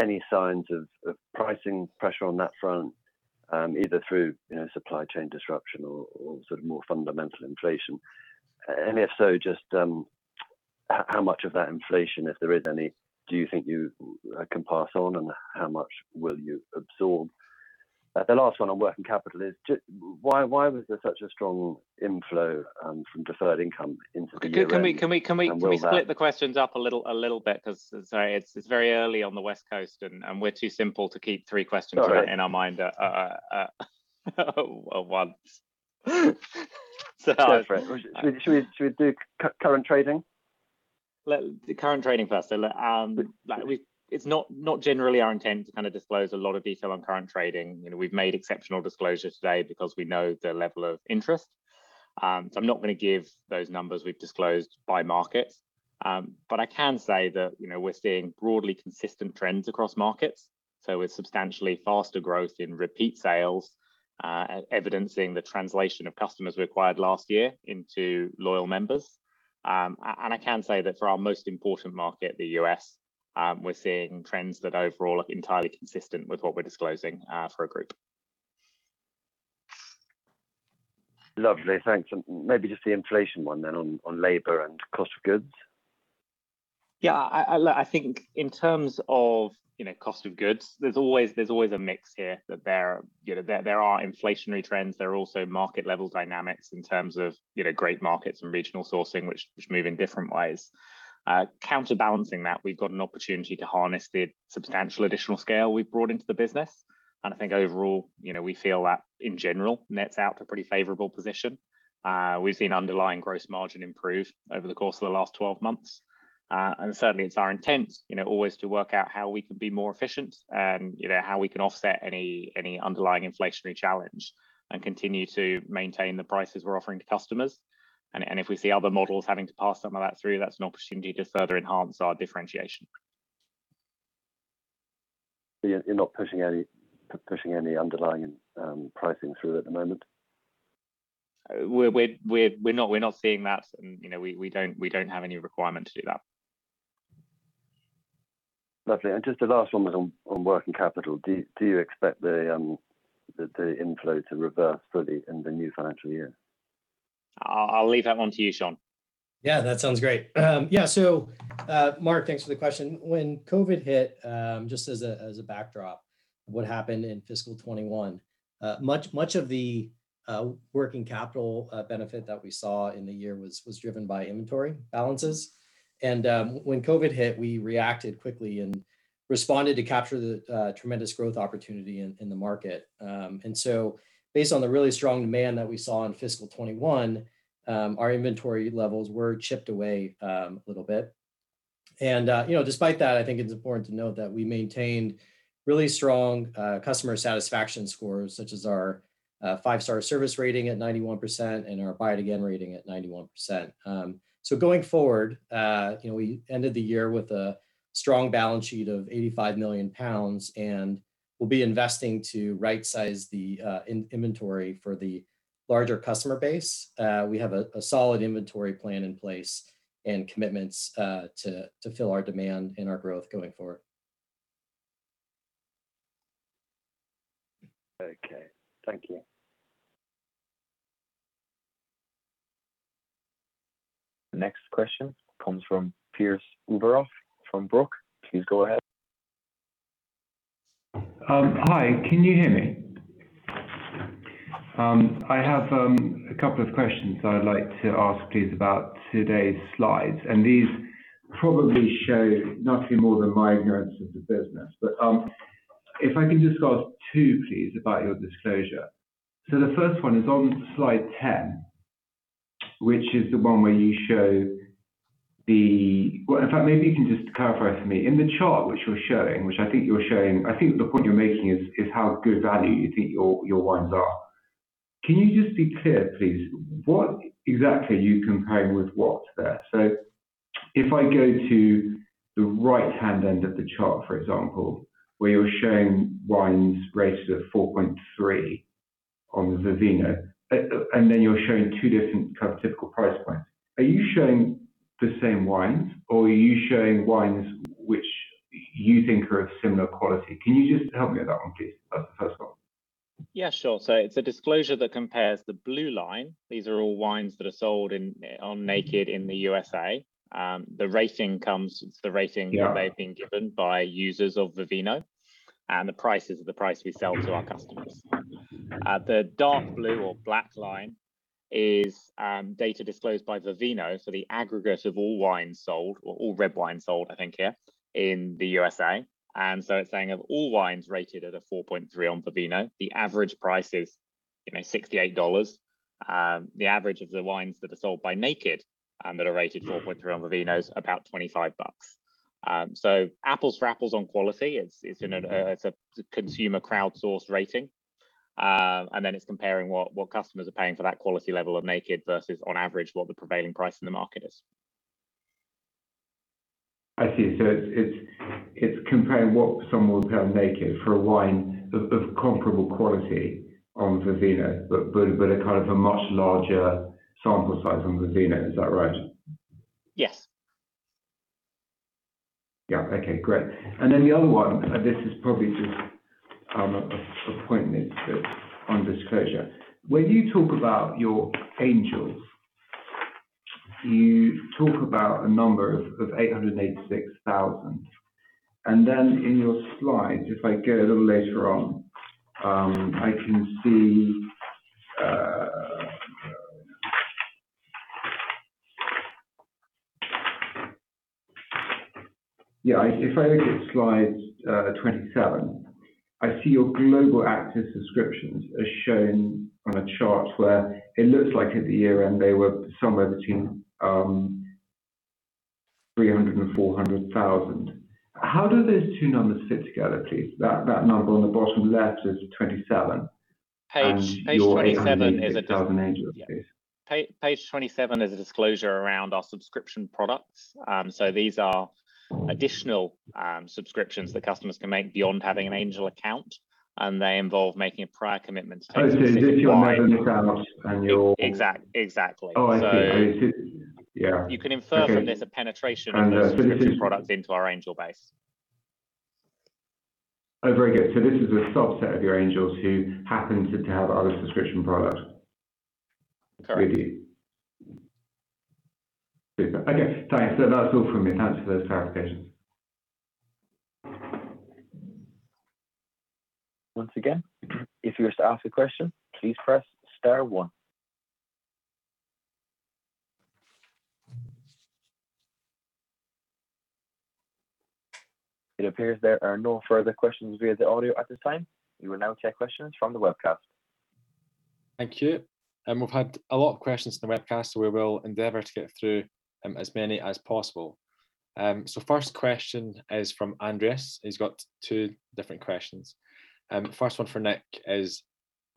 any signs of pricing pressure on that front, either through supply chain disruption or more fundamental inflation? If so, just how much of that inflation, if there is any, do you think you can pass on, and how much will you absorb? The last one on working capital is why was there such a strong inflow from deferred income into the year end? Can we split the questions up a little bit? Sorry, it's very early on the West Coast, and we're too simple to keep three questions. Sorry In our mind at once. Go for it. Should we do current trading? The current trading first. It's not generally our intent to kind of disclose a lot of detail on current trading. We've made exceptional disclosures today because we know the level of interest. I'm not going to give those numbers we've disclosed by market. I can say that we're seeing broadly consistent trends across markets, so with substantially faster growth in repeat sales, evidencing the translation of customers we acquired last year into loyal members. I can say that for our most important market, the U.S., we're seeing trends that overall are entirely consistent with what we're disclosing for a group. Lovely. Thanks. Maybe just the inflation one then on labor and cost of goods. Yeah. I think in terms of cost of goods, there's always a mix here. There are inflationary trends. There are also market-level dynamics in terms of great markets and regional sourcing, which move in different ways. Counterbalancing that, we've got an opportunity to harness the substantial additional scale we've brought into the business, and I think overall, we feel that, in general, nets out to a pretty favorable position. We've seen underlying gross margin improve over the course of the last 12 months. Certainly, it's our intent always to work out how we can be more efficient, how we can offset any underlying inflationary challenge and continue to maintain the prices we're offering to customers. If we see other models having to pass some of that through, that's an opportunity to further enhance our differentiation. You're not pushing any underlying pricing through at the moment? We're not seeing that, and we don't have any requirement to do that. Lovely. Just the last one was on working capital. Do you expect the inflow to reverse fully in the new financial year? I'll leave that one to you, Shawn. Yeah, that sounds great. Yeah, so Mark, thanks for the question. When COVID hit, just as a backdrop, what happened in FY 2021? Much of the working capital benefit that we saw in the year was driven by inventory balances. When COVID hit, we reacted quickly and responded to capture the tremendous growth opportunity in the market. Based on the really strong demand that we saw in FY 2021, our inventory levels were chipped away a little bit. Despite that, I think it's important to note that we maintained really strong customer satisfaction scores, such as our five-star service rating at 91% and our buy again rating at 91%. Going forward, we ended the year with a strong balance sheet of 85 million pounds, and we'll be investing to right-size the inventory for the larger customer base. We have a solid inventory plan in place and commitments to fill our demand and our growth going forward. Okay. Thank you. The next question comes from [Piers Uberoff from Brook]. Please go ahead. Hi, can you hear me? I have a couple of questions that I'd like to ask you about today's slides. These probably show nothing more than my ignorance of the business. If I can just ask two, please, about your disclosure. The first one is on slide 10, which is the one where you show. Well, in fact, maybe you can just clarify for me. In the chart which you're showing, I think the point you're making is how good value you think your wines are. Can you just be clear, please? What exactly are you comparing with what there? If I go to the right-hand end of the chart, for example, where you're showing wines rated a 4.3 on Vivino, and then you're showing two different typical price points. Are you showing the same wines or are you showing wines which you think are of similar quality? Can you just help me with that one, please? First one. Yeah, sure. It's a disclosure that compares the blue line. These are all wines that are sold on Naked in the U.S.A. The rating comes, it's the rating that they've been given by users of Vivino, and the price is the price we sell to our customers. The dark blue or black line is data disclosed by Vivino, so the aggregate of all wines sold, or all red wine sold, I think here, in the U.S.A. It's saying of all wines rated at a 4.3 on Vivino, the average price is $68. The average of the wines that are sold by Naked that are rated 4.3 on Vivino is about $25. Apples to apples on quality. It's a consumer crowdsourced rating. Then it's comparing what customers are paying for that quality level at Naked versus on average what the prevailing price in the market is. Okay. It's comparing what someone would pay at Naked for a wine of comparable quality on Vivino, but a kind of a much larger sample size on Vivino. Is that right? Yes. Yeah. Okay, great. The other one, this is probably just a point made on disclosure. When you talk about your Angels, you talk about a number of 886,000. In your slides, if I go a little later on, if I look at slide 27, I see your global active subscriptions as shown on a chart where it looks like at the year end they were somewhere between 300,000 and 400,000. How do those two numbers fit together, please? That number on the bottom left of 27 and your 886,000 Angels, please. Page 27 is a disclosure around our subscription products. These are additional subscriptions that customers can make beyond having an Angel account, and they involve making a prior commitment. Okay. Is this your 500,000 annual-? Exactly. Oh, I see. Okay. Yeah. You can infer from this a penetration of the subscription product into our Angel base. Oh, very good. This is a subset of your Angels who happen to have other subscription products. That's right. Okay, thanks. That's all from me. Thanks for those clarifications. Once again, if you wish to ask a question, please press star one. It appears there are no further questions via the audio at this time. We will now take questions from the webcast. Thank you. We've had a lot of questions from the webcast, we will endeavor to get through as many as possible. First question is from Andres. He's got two different questions. First one for Nick is,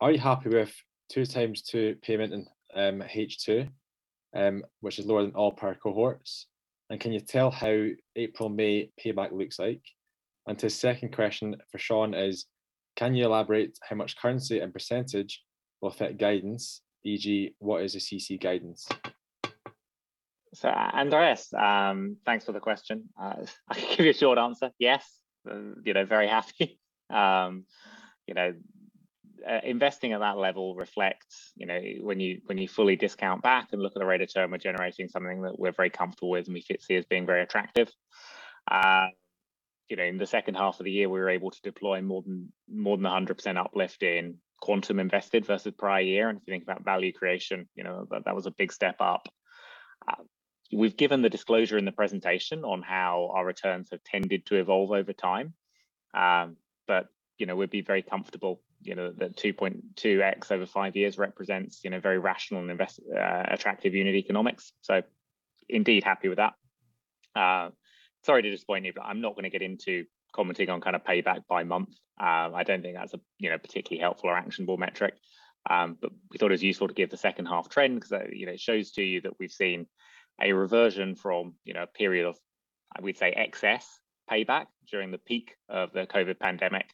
are you happy with two times two payment in H2 which is lower than all prior cohorts? Can you tell how April, May payback looks like? To the second question for Shawn is, can you elaborate how much currency and percentage will fit guidance, e.g., what is the CC guidance? Andres, thanks for the question. I'll give you a short answer. Yes. Very happy. Investing at that level reflects when you fully discount back and look at the rate of return, we're generating something that we're very comfortable with and we see as being very attractive. In the second half of the year, we were able to deploy more than 100% uplift in quantum invested versus prior year. If you think about value creation, that was a big step up. We've given the disclosure in the presentation on how our returns have tended to evolve over time. We'd be very comfortable that 2.2x over five years represents very rational and attractive unit economics. Indeed, happy with that. Sorry to disappoint you, but I'm not going to get into commenting on payback by month. I don't think that's a particularly helpful or actionable metric. We thought it was useful to give the second half trend, because it shows to you that we've seen a reversion from a period of, I would say, excess payback during the peak of the COVID-19 pandemic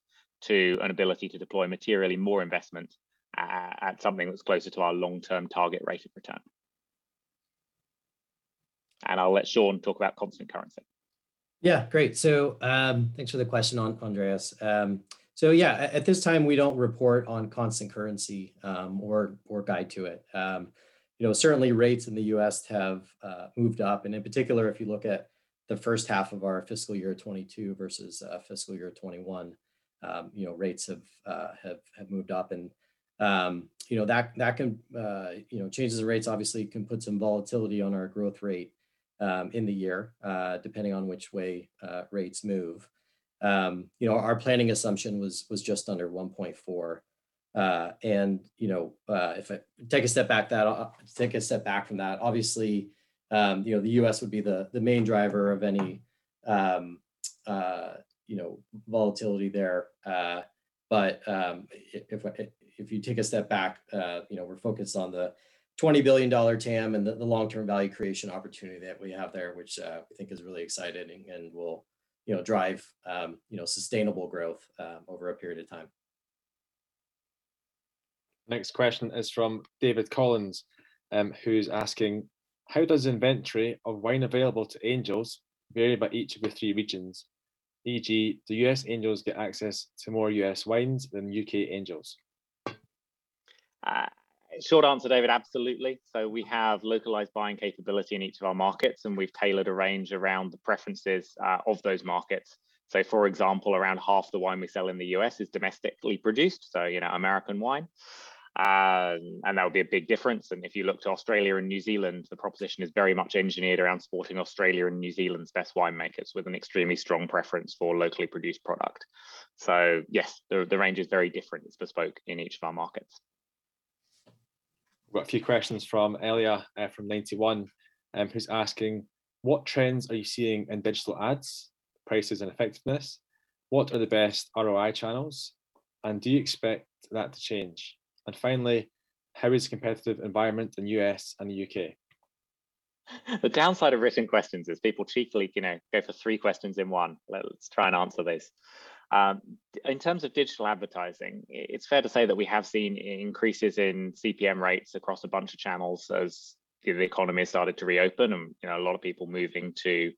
to an ability to deploy materially more investment at something that's closer to our long-term target rate of return. I'll let Shawn talk about constant currency. Yeah. Great. Thanks for the question, Andres. At this time, we don't report on constant currency or guide to it. Certainly, rates in the U.S. have moved up, and in particular, if you look at the first half of our FY 2022 versus FY 2021, rates have moved up. Changes in rates obviously can put some volatility on our growth rate in the year, depending on which way rates move. Our planning assumption was just under 1.4. Take a step back from that, obviously, the U.S. would be the main driver of any volatility there. If you take a step back, we're focused on the $20 billion TAM and the long-term value creation opportunity that we have there, which we think is really exciting and will drive sustainable growth over a period of time. Next question is from David Collins, who's asking, "How does inventory of wine available to Angels vary by each of the three regions? E.g., do U.S. Angels get access to more U.S. wines than U.K. Angels? Short answer, David, absolutely. We have localized buying capability in each of our markets, and we've tailored a range around the preferences of those markets. For example, around half the wine we sell in the U.S. is domestically produced, so American wine. That would be a big difference. If you look to Australia and New Zealand, the proposition is very much engineered around supporting Australia and New Zealand's best winemakers, with an extremely strong preference for locally produced product. Yes, the range is very different. It's bespoke in each of our markets. We've got a few questions from Elia from Ninety One, who's asking, "What trends are you seeing in digital ads, prices, and effectiveness? What are the best ROI channels, and do you expect that to change?" Finally, "How is the competitive environment in the U.S. and the U.K.? The downside of written questions is people cheekily go for three questions in one. Let's try and answer this. In terms of digital advertising, it's fair to say that we have seen increases in CPM rates across a bunch of channels as the economy has started to reopen, and a lot of people moving to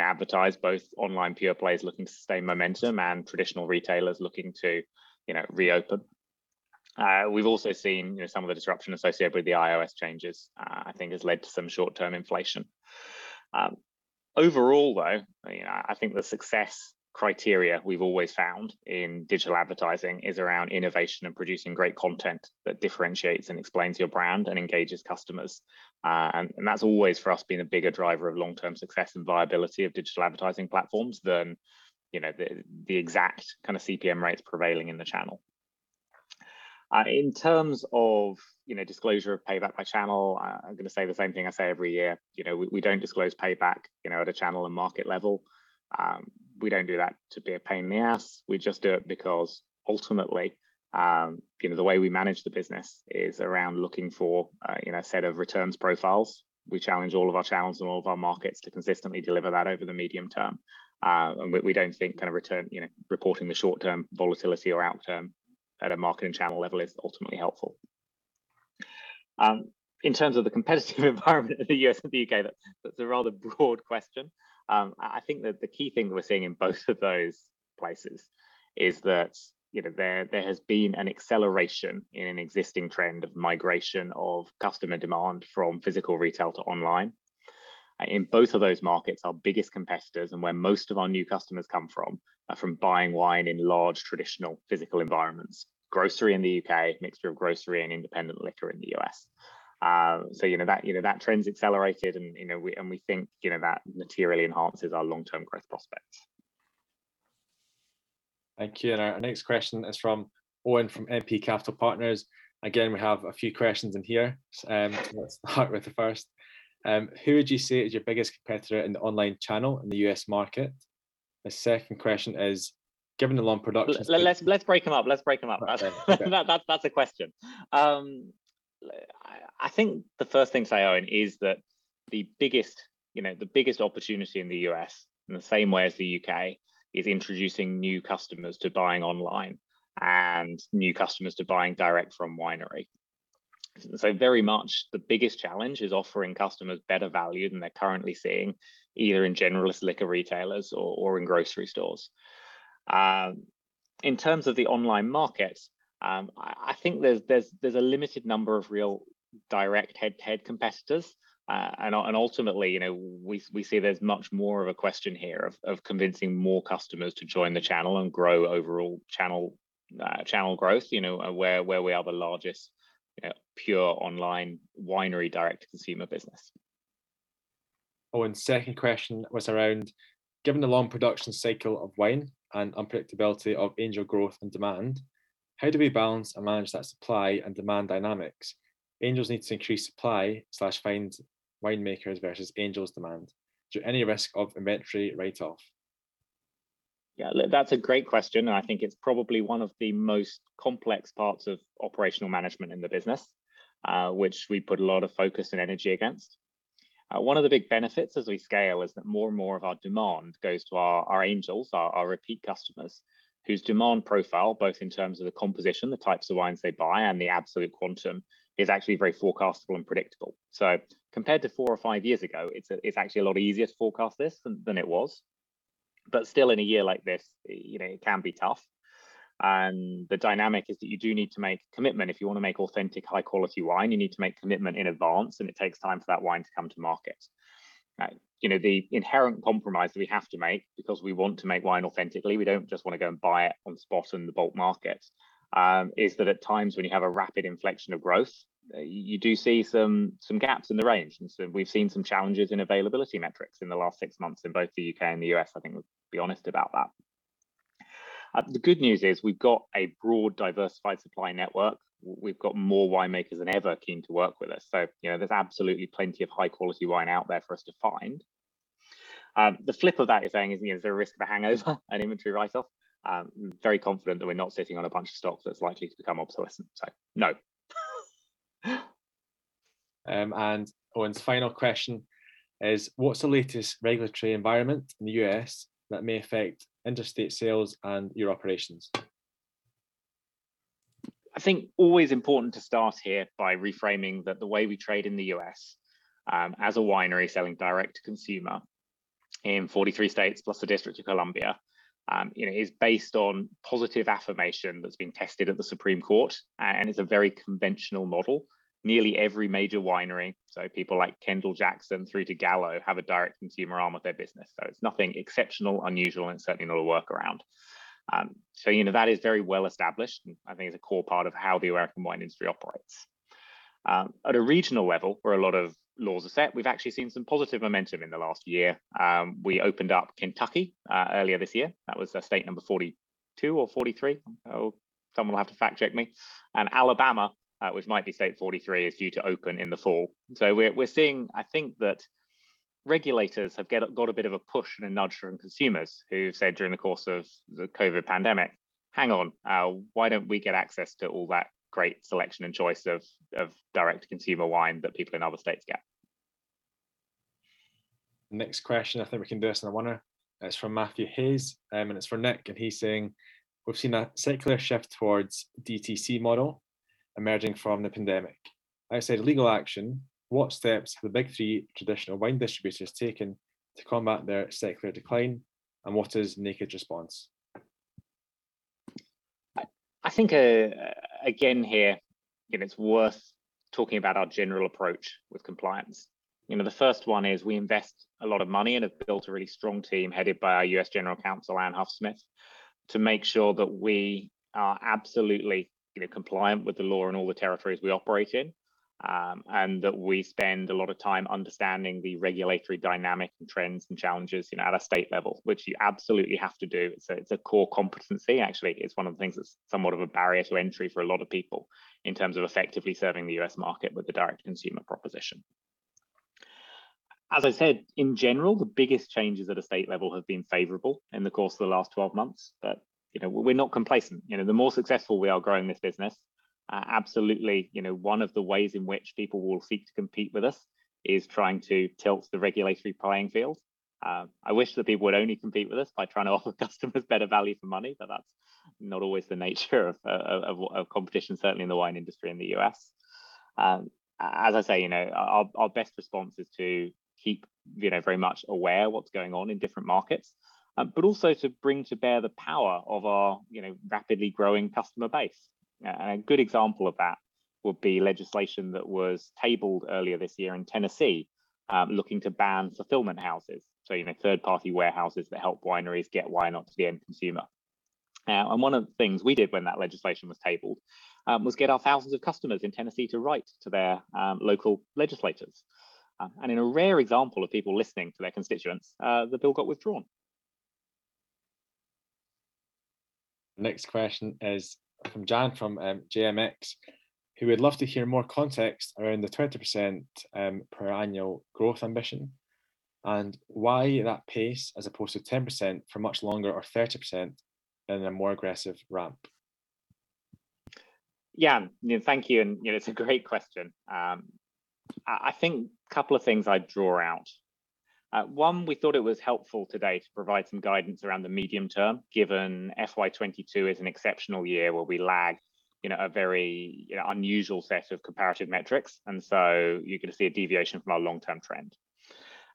advertise, both online pure plays looking to sustain momentum and traditional retailers looking to reopen. We've also seen some of the disruption associated with the iOS changes, I think has led to some short-term inflation. Overall, though, I think the success criteria we've always found in digital advertising is around innovation and producing great content that differentiates and explains your brand and engages customers. That's always, for us, been a bigger driver of long-term success and viability of digital advertising platforms than the exact kind of CPM rates prevailing in the channel. In terms of disclosure of payback by channel, I'm going to say the same thing I say every year. We don't disclose payback at a channel and market level. We don't do that to be a pain in the ass. We just do it because ultimately, the way we manage the business is around looking for a set of returns profiles. We challenge all of our channels and all of our markets to consistently deliver that over the medium term. We don't think reporting the short-term volatility or outcome at a market and channel level is ultimately helpful. In terms of the competitive environment of the U.S. and the U.K., that's a rather broad question. I think that the key thing we're seeing in both of those places is that there has been an acceleration in an existing trend of migration of customer demand from physical retail to online. In both of those markets, our biggest competitors and where most of our new customers come from are from buying wine in large traditional physical environments. Grocery in the U.K., mixture of grocery and independent liquor in the U.S. That trend's accelerated, and we think that materially enhances our long-term growth prospects. Thank you. Our next question is from Owen from MP Capital Partners. Again, we have a few questions in here, so let's start with the first. "Who would you say is your biggest competitor in the online channel in the U.S. market?" The second question is, "Given the long production- Let's break them up. Okay. That's a question. I think the first thing to say, Owen, is that the biggest opportunity in the U.S., in the same way as the U.K., is introducing new customers to buying online and new customers to buying direct from winery. Very much the biggest challenge is offering customers better value than they're currently seeing, either in generalist liquor retailers or in grocery stores. In terms of the online market, I think there's a limited number of real direct head-to-head competitors. Ultimately, we see there's much more of a question here of convincing more customers to join the channel and grow overall channel growth, where we are the largest pure online winery direct-to-consumer business. Second question was around, given the long production cycle of wine and unpredictability of Angel growth and demand, how do we balance and manage that supply and demand dynamics? Angels need to increase supply/find winemakers versus Angels demand. Is there any risk of inventory write-off? Yeah, look, that's a great question, and I think it's probably one of the most complex parts of operational management in the business, which we put a lot of focus and energy against. One of the big benefits as we scale is that more and more of our demand goes to our Angels, our repeat customers, whose demand profile, both in terms of the composition, the types of wines they buy, and the absolute quantum, is actually very forecastable and predictable. Compared to four or five years ago, it's actually a lot easier to forecast this than it was. Still in a year like this, it can be tough. The dynamic is that you do need to make a commitment. If you want to make authentic, high-quality wine, you need to make a commitment in advance, and it takes time for that wine to come to market. The inherent compromise we have to make because we want to make wine authentically, we don't just want to go and buy it on spot in the bulk markets, is that at times when you have a rapid inflection of growth, you do see some gaps in the range. We've seen some challenges in availability metrics in the last six months in both the U.K. and the U.S. I think we'll be honest about that. The good news is we've got a broad, diversified supply network. We've got more winemakers than ever keen to work with us. There's absolutely plenty of high-quality wine out there for us to find. The flip of that is saying, is there a risk of a hangover and inventory write-off? I'm very confident that we're not sitting on a bunch of stock that's likely to become obsolescent, so no. Owen's final question is, what's the latest regulatory environment in the U.S. that may affect interstate sales and your operations? I think always important to start here by reframing that the way we trade in the U.S. as a winery selling direct-to-consumer in 43 states+ the District of Columbia is based on positive affirmation that's been tested at the Supreme Court and is a very conventional model. Nearly every major winery, so people like Kendall-Jackson through to Gallo, have a direct-to-consumer arm of their business. It's nothing exceptional, unusual, and certainly not a workaround. That is very well established, and I think it's a core part of how the American wine industry operates. At a regional level, where a lot of laws are set, we've actually seen some positive momentum in the last year. We opened up Kentucky earlier this year. That was, let's say, number 42 or 43. Someone will have to fact-check me. Alabama, which might be state 43, is due to open in the fall. We're seeing, I think, that regulators have got a bit of a push and a nudge from consumers who said during the course of the COVID-19 pandemic, "Hang on, why don't we get access to all that great selection and choice of direct-to-consumer wine that people in other states get?" Next question, I think we can do this in one go. It's from Matthew Hayes, it's for Nick, he's saying, we've seen a secular shift towards DTC model emerging from the pandemic. As for legal action, what steps have the big three traditional wine distributors taken to combat their secular decline, what is Naked Wines's response? I think, again here, it's worth talking about our general approach with compliance. The first one is we invest a lot of money and have built a really strong team headed by our U.S. General Counsel, Anne Huffsmith, to make sure that we are absolutely compliant with the law in all the territories we operate in, and that we spend a lot of time understanding the regulatory dynamic and trends and challenges at a state level, which you absolutely have to do. It's a core competency, actually. It's one of the things that's somewhat of a barrier to entry for a lot of people in terms of effectively serving the U.S. market with a direct-to-consumer proposition. As I said, in general, the biggest changes at a state level have been favorable in the course of the last 12 months, but we're not complacent. The more successful we are growing this business, absolutely one of the ways in which people will seek to compete with us is trying to tilt the regulatory playing field. I wish that people would only compete with us by trying to offer customers better value for money, but that's not always the nature of competition, certainly in the wine industry in the U.S. As I say, our best response is to keep very much aware of what's going on in different markets, but also to bring to bear the power of our rapidly growing customer base. A good example of that would be legislation that was tabled earlier this year in Tennessee looking to ban fulfillment houses, so third-party warehouses that help wineries get wine out to the end consumer. One of the things we did when that legislation was tabled was get our thousands of customers in Tennessee to write to their local legislators. In a rare example of people listening to their constituents, the bill got withdrawn. The next question is from Yann from JMX, who would love to hear more context around the 30% per annual growth ambition and why that pace as opposed to 10% for much longer or 30% in a more aggressive ramp. Yann, thank you, and it's a great question. I think a couple of things I'd draw out. One, we thought it was helpful today to provide some guidance around the medium term, given FY 2022 is an exceptional year where we lagged a very unusual set of comparative metrics, and so you're going to see a deviation from our long-term trend.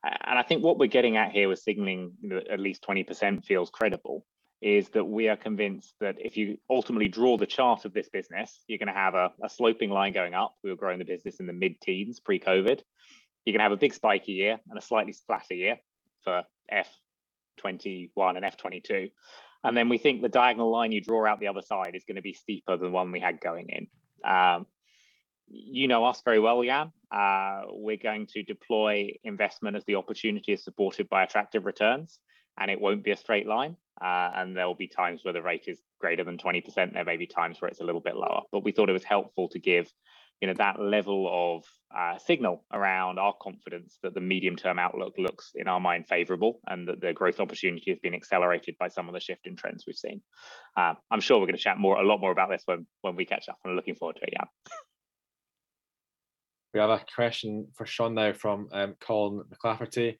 I think what we're getting at here with signaling that at least 20% feels credible is that we are convinced that if you ultimately draw the chart of this business, you're going to have a sloping line going up. We were growing the business in the mid-teens pre-COVID. You're going to have a big spiky year and a slightly flatter year for FY 2021 and FY 2022. We think the diagonal line you draw out the other side is going to be steeper than the one we had going in. You know us very well, Yann. We're going to deploy investment as the opportunity is supported by attractive returns, and it won't be a straight line. There'll be times where the rate is greater than 20%, and there may be times where it's a little bit lower. We thought it was helpful to give that level of signal around our confidence that the medium-term outlook looks, in our mind, favorable, and that the growth opportunity has been accelerated by some of the shift in trends we've seen. I'm sure we're going to chat a lot more about this when we catch up. I'm looking forward to it, Yann. We have a question for Shawn now from Colin McCafferty.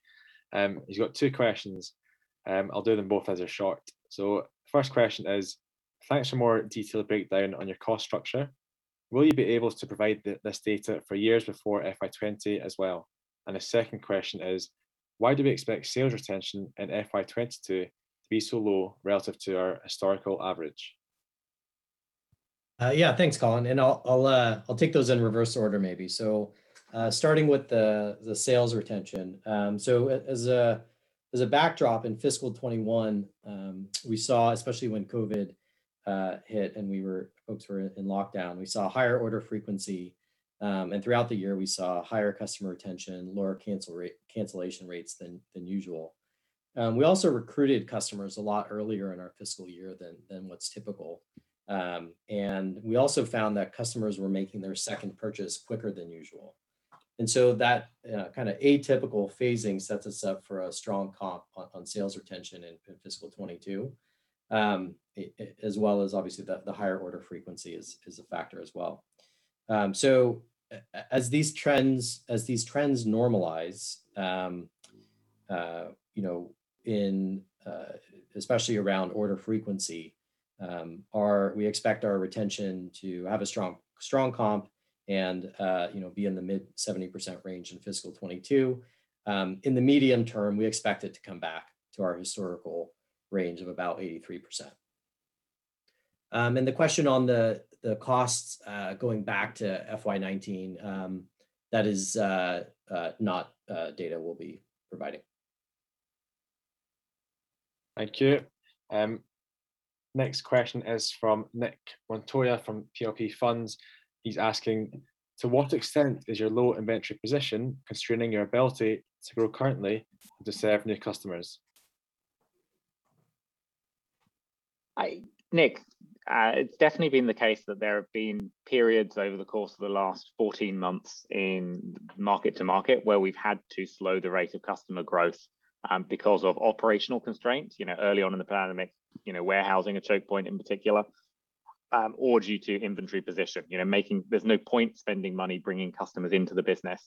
He's got two questions. I'll do them both as they're short. The first question is, "Thanks for more detailed breakdown on your cost structure. Will you be able to provide this data for years before FY20 as well?" The second question is, "Why do we expect sales retention in FY22 to be so low relative to our historical average? Yeah. Thanks, Colin. I'll take those in reverse order maybe. Starting with the sales retention. As a backdrop, in fiscal 2021, we saw, especially when COVID-19 hit and folks were in lockdown, we saw higher order frequency. Throughout the year, we saw higher customer retention, lower cancellation rates than usual. We also recruited customers a lot earlier in our fiscal year than what's typical. We also found that customers were making their second purchase quicker than usual. That kind of atypical phasing sets us up for a strong comp on sales retention in fiscal 2022, as well as obviously the higher order frequency is a factor as well. As these trends normalize, especially around order frequency, we expect our retention to have a strong comp and be in the mid-70% range in fiscal 2022. In the medium term, we expect it to come back to our historical range of about 83%. The question on the costs, going back to FY 2019, that is not data we'll be providing. Thank you. Next question is from Nick Montoya from PLP Funds. He's asking, "To what extent is your low inventory position constraining your ability to grow currently and to serve new customers? Nick, it's definitely been the case that there have been periods over the course of the last 14 months in market to market where we've had to slow the rate of customer growth because of operational constraints, early on in the pandemic, warehousing, a choke point in particular, or due to inventory position. There's no point spending money bringing customers into the business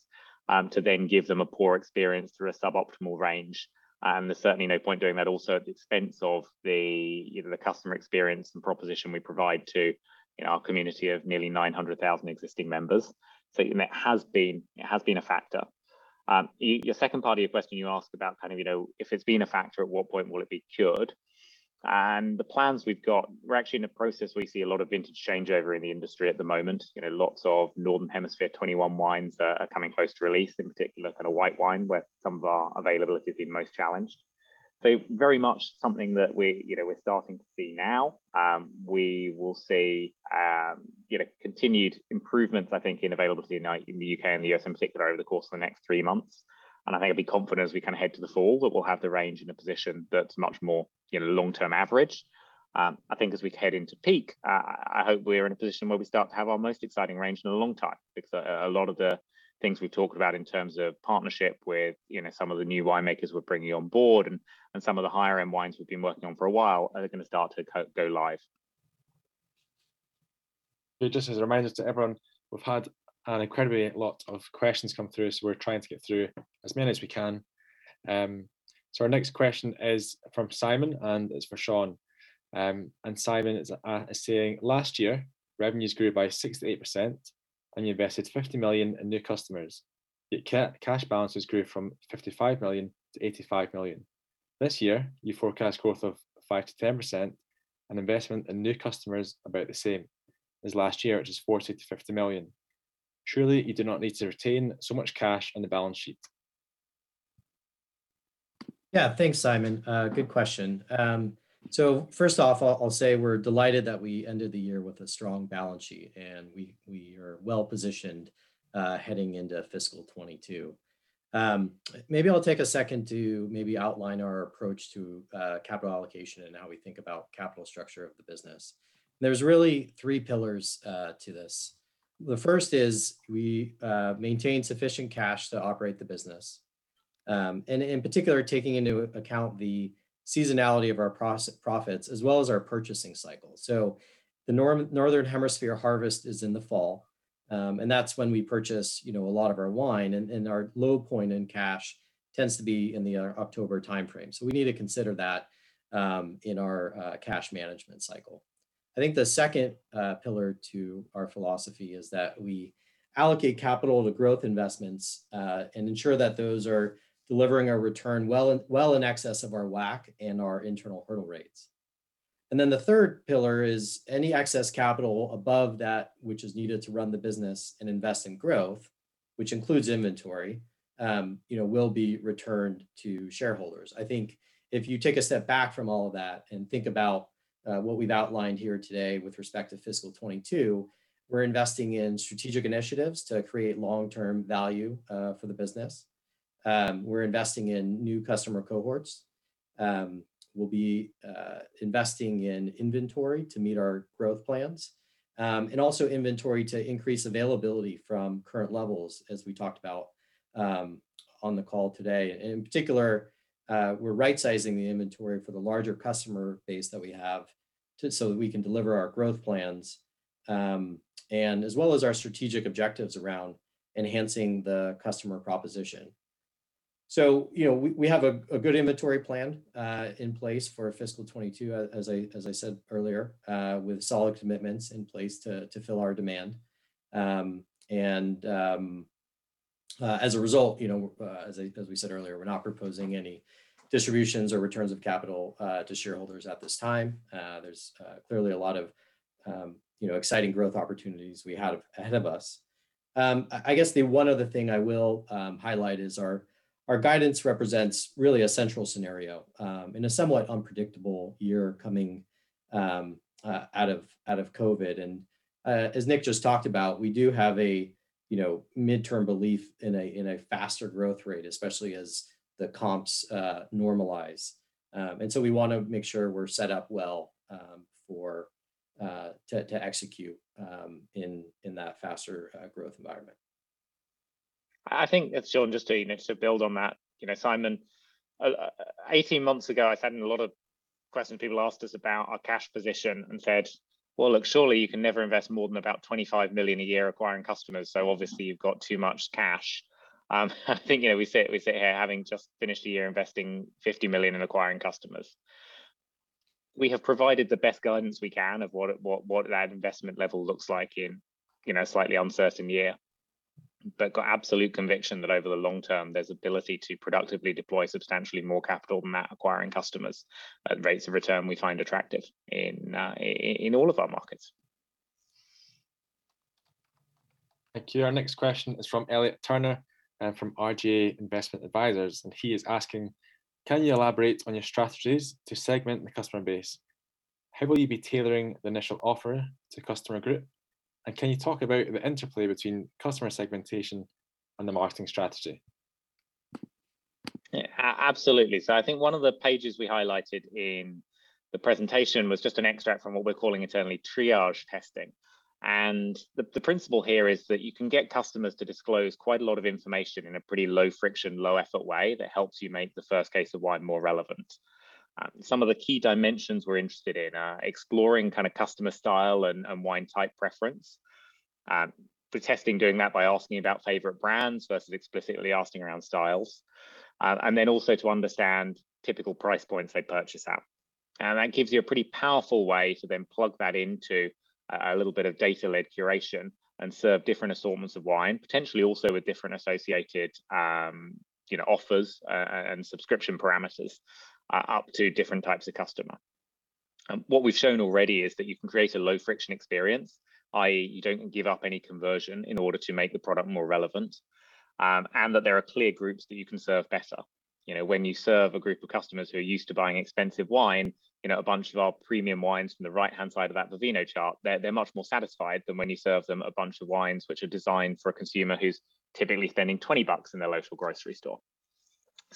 to then give them a poor experience through a suboptimal range. There's certainly no point doing that also at the expense of either the customer experience and proposition we provide to our community of nearly 900,000 existing members. It has been a factor. Your second part of your question you ask about kind of if it's been a factor, at what point will it be cured? The plans we've got, we're actually in a process where we see a lot of vintage changeover in the industry at the moment. Lots of northern hemisphere 2021 wines that are coming close to release, in particular kind of white wine, where some of our availability has been most challenged. Very much something that we're starting to see now. We will see continued improvements, I think, in availability in the U.K. and the U.S. in particular over the course of the next three months. I think it'd be confident as we kind of head to the fall that we'll have the range in a position that's much more long-term average. I think as we head into peak, I hope we're in a position where we start to have our most exciting range in a long time. A lot of the things we've talked about in terms of partnership with some of the new winemakers we're bringing on board and some of the higher end wines we've been working on for a while are going to start to go live. Just as a reminder to everyone, we've had an incredibly lot of questions come through. We're trying to get through as many as we can. Our next question is from Simon, and it's for Shawn. Simon is saying, "Last year, revenues grew by 68% and you invested 50 million in new customers, yet cash balances grew from 55 million-85 million. This year, you forecast growth of 5%-10% and investment in new customers about the same as last year, which is 40 million-50 million. Surely you do not need to retain so much cash on the balance sheet. Yeah, thanks, Simon. Good question. First off, I'll say we're delighted that we ended the year with a strong balance sheet, and we are well-positioned heading into fiscal 2022. Maybe I'll take a second to maybe outline our approach to capital allocation and how we think about capital structure of the business. There's really three pillars to this. The first is we maintain sufficient cash to operate the business. In particular, taking into account the seasonality of our profits as well as our purchasing cycle. The Northern Hemisphere harvest is in the fall, and that's when we purchase a lot of our wine, and our low point in cash tends to be in the October timeframe. We need to consider that in our cash management cycle. I think the second pillar to our philosophy is that we allocate capital to growth investments and ensure that those are delivering a return well in excess of our WACC and our internal hurdle rates. Then the third pillar is any excess capital above that which is needed to run the business and invest in growth, which includes inventory, will be returned to shareholders. I think if you take a step back from all that and think about what we've outlined here today with respect to fiscal 2022, we're investing in strategic initiatives to create long-term value for the business. We're investing in new customer cohorts. We'll be investing in inventory to meet our growth plans. Also inventory to increase availability from current levels, as we talked about on the call today. In particular, we're rightsizing the inventory for the larger customer base that we have so that we can deliver our growth plans, and as well as our strategic objectives around enhancing the customer proposition. We have a good inventory plan in place for fiscal 2022, as I said earlier, with solid commitments in place to fill our demand. As a result, as I said earlier, we're not proposing any distributions or returns of capital to shareholders at this time. There's clearly a lot of exciting growth opportunities we have ahead of us. I guess the one other thing I will highlight is our guidance represents really a central scenario in a somewhat unpredictable year coming out of COVID-19. As Nick just talked about, we do have a midterm belief in a faster growth rate, especially as the comps normalize. We want to make sure we're set up well to execute in that faster growth environment. I think that's Shawn, just to build on that. Simon, 18 months ago, I found a lot of questions people asked us about our cash position and said, "Well, look, surely you can never invest more than about 25 million a year acquiring customers, so obviously you've got too much cash." I think we sit here having just finished the year investing 50 million in acquiring customers. We have provided the best guidance we can of what that investment level looks like in a slightly uncertain year. Got absolute conviction that over the long term, there's ability to productively deploy substantially more capital than that acquiring customers at rates of return we find attractive in all of our markets. Thank you. Our next question is from Elliot Turner from RGA Investment Advisors, and he is asking, "Can you elaborate on your strategies to segment the customer base? How will you be tailoring the initial offering to customer group? Can you talk about the interplay between customer segmentation and the marketing strategy? Absolutely. I think one of the pages we highlighted in the presentation was just an extract from what we're calling internally triage testing. The principle here is that you can get customers to disclose quite a lot of information in a pretty low friction, low effort way that helps you make the first case of wine more relevant. Some of the key dimensions we're interested in are exploring kind of customer style and wine type preference. We're testing doing that by asking about favorite brands versus explicitly asking around styles. Also to understand typical price points they purchase at. That gives you a pretty powerful way to then plug that into a little bit of data-led curation and serve different assortments of wine, potentially also with different associated offers and subscription parameters up to different types of customer. What we've shown already is that you can create a low friction experience, i.e., you don't give up any conversion in order to make the product more relevant. That there are clear groups that you can serve better. When you serve a group of customers who are used to buying expensive wine, a bunch of our premium wines on the right-hand side of that Vivino chart, they're much more satisfied than when you serve them a bunch of wines which are designed for a consumer who's typically spending GBP 20 in their local grocery store.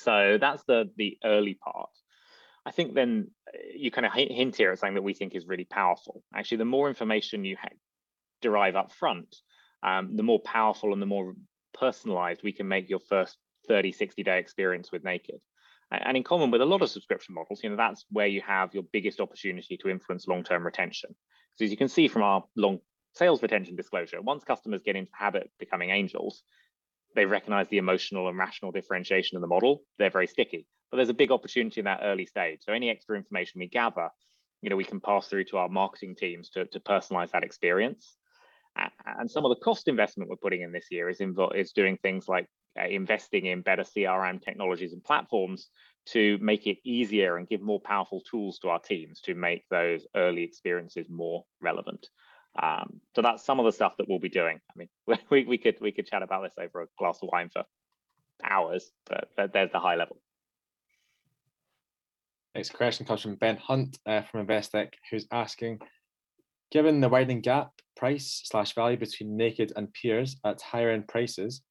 That's the early part. I think you kind of hint here at something that we think is really powerful. Actually, the more information you derive upfront, the more powerful and the more personalized we can make your first 30, 60-day experience with Naked. In common with a lot of subscription models, that's where you have your biggest opportunity to influence long-term retention. As you can see from our long sales retention disclosure, once customers get into habit of becoming Angels, they recognize the emotional and rational differentiation of the model. They're very sticky. There's a big opportunity in that early stage. Any extra information we gather, we can pass through to our marketing teams to personalize that experience. Some of the cost investment we're putting in this year is doing things like investing in better CRM technologies and platforms to make it easier and give more powerful tools to our teams to make those early experiences more relevant. That's some of the stuff that we'll be doing. We could chat about this over a glass of wine for hours, but there's the high level. Next question comes from Ben Hunt from Investec, who's asking, "Given the widening gap price/value between Naked and peers at higher end prices,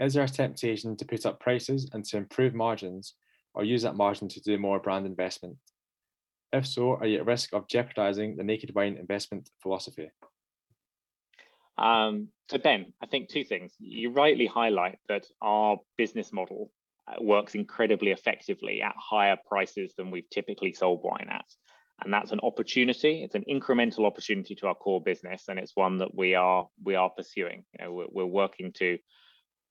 is there a temptation to put up prices and to improve margins or use that margin to do more brand investment? If so, are you at risk of jeopardizing the Naked Wine investment philosophy? Ben, I think two things. You rightly highlight that our business model works incredibly effectively at higher prices than we've typically sold wine at, and that's an opportunity. It's an incremental opportunity to our core business, and it's one that we are pursuing. We're working to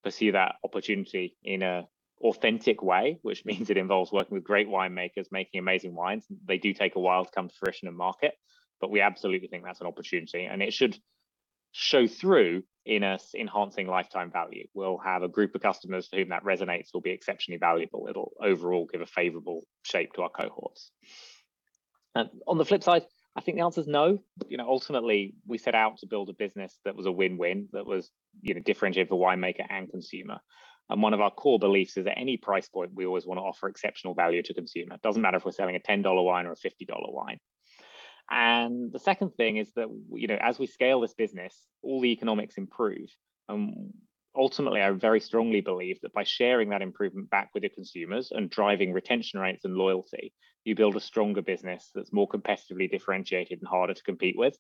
pursue that opportunity in an authentic way, which means it involves working with great winemakers, making amazing wines. They do take a while to come to fruition in market, but we absolutely think that's an opportunity, and it should show through in us enhancing lifetime value. We'll have a group of customers for whom that resonates will be exceptionally valuable. It'll overall give a favorable shape to our cohorts. On the flip side, I think the answer's no. Ultimately, we set out to build a business that was a win-win, that was differentiated for winemaker and consumer, and one of our core beliefs is at any price point, we always want to offer exceptional value to consumer. It doesn't matter if we're selling a GBP 10 wine or a GBP 50 wine. The second thing is that, as we scale this business, all the economics improve. Ultimately, I very strongly believe that by sharing that improvement back with the consumers and driving retention rates and loyalty, you build a stronger business that's more competitively differentiated and harder to compete with.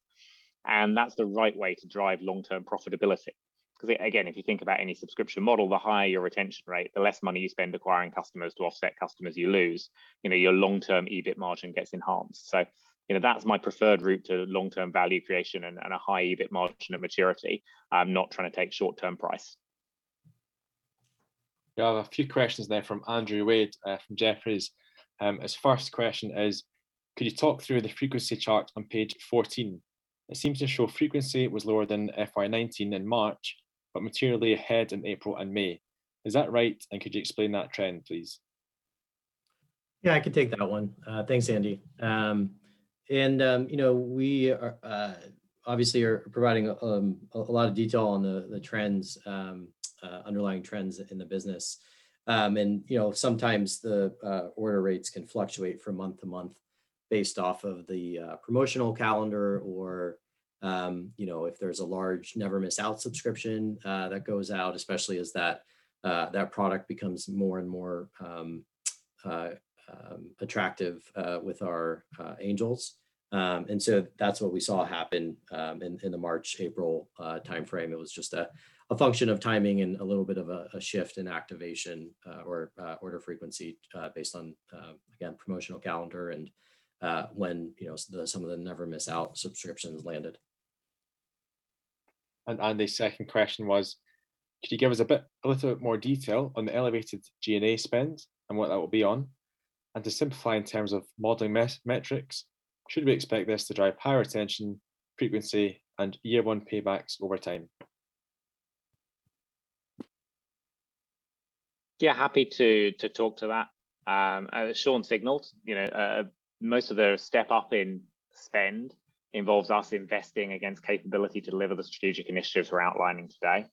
That's the right way to drive long-term profitability. Again, if you think about any subscription model, the higher your retention rate, the less money you spend acquiring customers to offset customers you lose. Your long-term EBIT margin gets enhanced. That's my preferred route to long-term value creation and a high EBIT margin at maturity, not trying to take short-term price. We have a few questions there from Andrew Wade, from Jefferies. His first question is, "Could you talk through the frequency chart on page 14? It seems to show frequency was lower than FY 2019 in March, but materially ahead in April and May. Is that right, and could you explain that trend, please? Yeah, I can take that one. Thanks, Andy. We obviously are providing a lot of detail on the underlying trends in the business. Sometimes the order rates can fluctuate from month to month based off of the promotional calendar or if there's a large Never Miss Out subscription that goes out, especially as that product becomes more and more attractive with our Angels. That's what we saw happen in the March-April timeframe. It was just a function of timing and a little bit of a shift in activation or order frequency based on, again, promotional calendar and when some of the Never Miss Out subscriptions landed. Andy's second question was, "Could you give us a little bit more detail on the elevated G&A spend and what that will be on? To simplify in terms of modeling metrics, should we expect this to drive higher retention, frequency, and year one paybacks over time? Yeah, happy to talk to that. As Shawn signaled, most of the step-up in spend involves us investing against capability to deliver the strategic initiatives we're outlining today.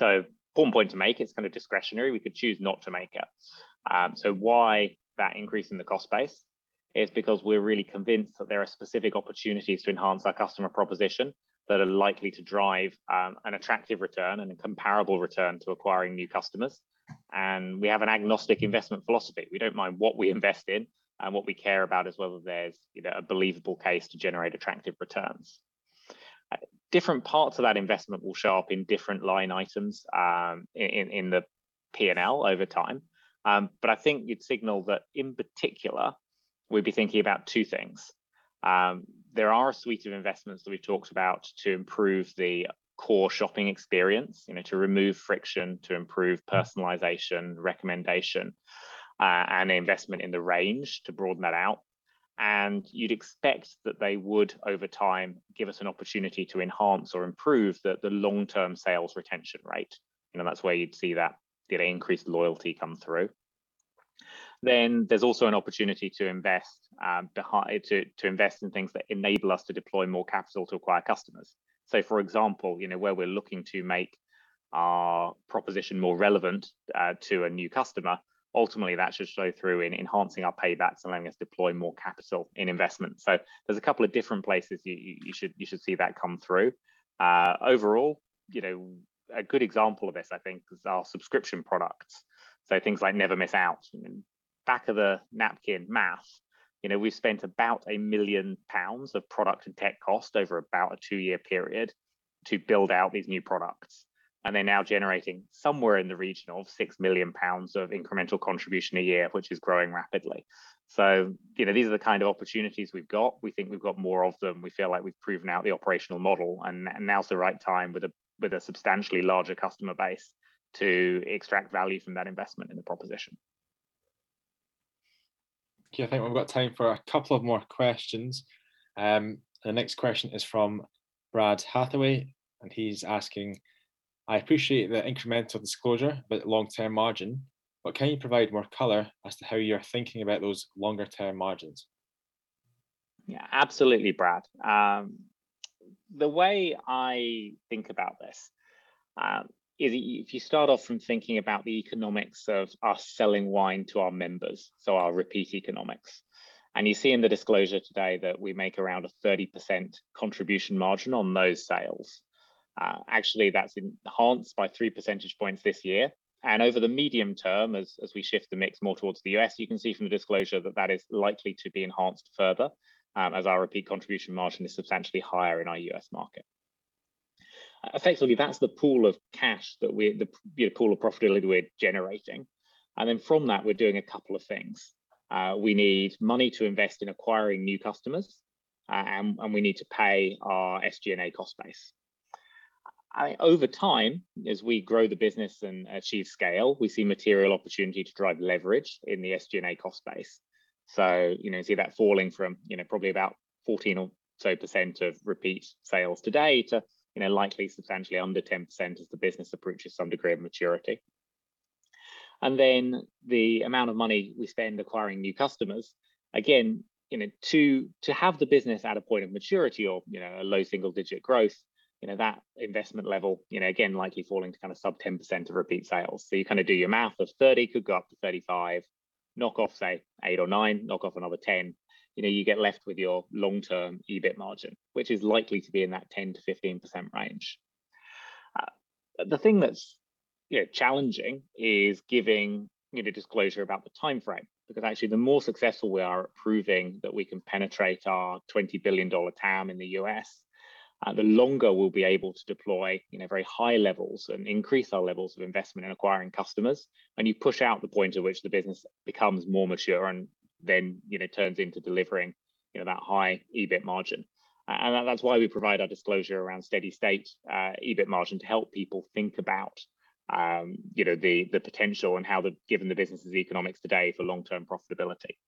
Important point to make, it's kind of discretionary. We could choose not to make it. Why that increase in the cost base is because we're really convinced that there are specific opportunities to enhance our customer proposition that are likely to drive an attractive return and a comparable return to acquiring new customers. We have an agnostic investment philosophy. We don't mind what we invest in, and what we care about is whether there's a believable case to generate attractive returns. Different parts of that investment will show up in different line items in the P&L over time. I think you'd signal that in particular, we'd be thinking about two things. There are a suite of investments that we've talked about to improve the core shopping experience, to remove friction, to improve personalization, recommendation, and investment in the range to broaden that out. You'd expect that they would, over time, give us an opportunity to enhance or improve the long-term sales retention rate. That's where you'd see that increased loyalty come through. There's also an opportunity to invest in things that enable us to deploy more capital to acquire customers. For example, where we're looking to make our proposition more relevant to a new customer, ultimately that should show through in enhancing our paybacks and letting us deploy more capital in investment. There's a couple of different places you should see that come through. Overall, a good example of this, I think, is our subscription products. Things like Never Miss Out. Back of the napkin math, we've spent about 1 million pounds of product and tech cost over about a 2-year period to build out these new products, and they're now generating somewhere in the region of 6 million pounds of incremental contribution a year, which is growing rapidly. These are the kind of opportunities we've got. We think we've got more of them. We feel like we've proven out the operational model, and now's the right time with a substantially larger customer base to extract value from that investment in the proposition. Okay, I think we've got time for a couple of more questions. The next question is from Brad Hathaway. He's asking, "I appreciate the incremental disclosure about long-term margin, but can you provide more color as to how you're thinking about those longer-term margins?'' Yeah, absolutely, Brad. The way I think about this is if you start off from thinking about the economics of us selling wine to our members, so our repeat economics, you see in the disclosure today that we make around a 30% contribution margin on those sales. Actually, that's enhanced by 3 percentage points this year. Over the medium term, as we shift the mix more towards the U.S., you can see from the disclosure that that is likely to be enhanced further, as our repeat contribution margin is substantially higher in our U.S. market. Effectively, that's the pool of cash, the pool of profitability that we're generating. From that, we're doing a couple of things. We need money to invest in acquiring new customers, and we need to pay our SG&A cost base. Over time, as we grow the business and achieve scale, we see material opportunity to drive leverage in the SG&A cost base. See that falling from probably about 14% or so of repeat sales today to likely substantially under 10% as the business approaches some degree of maturity. The amount of money we spend acquiring new customers, again, to have the business at a point of maturity or a low single-digit growth, that investment level, again, likely falling to sub 10% of repeat sales. You do your math of 30% could go up to 35%, knock off, say, 8% or 9%, knock off another 10%. You get left with your long-term EBIT margin, which is likely to be in that 10%-15% range. The thing that's challenging is giving disclosure about the timeframe, because actually, the more successful we are at proving that we can penetrate our $20 billion TAM in the U.S., the longer we'll be able to deploy very high levels and increase our levels of investment in acquiring customers, and you push out the point at which the business becomes more mature and then turns into delivering that high EBIT margin. That's why we provide our disclosure around steady state EBIT margin to help people think about the potential and how, given the business's economics today, for long-term profitability.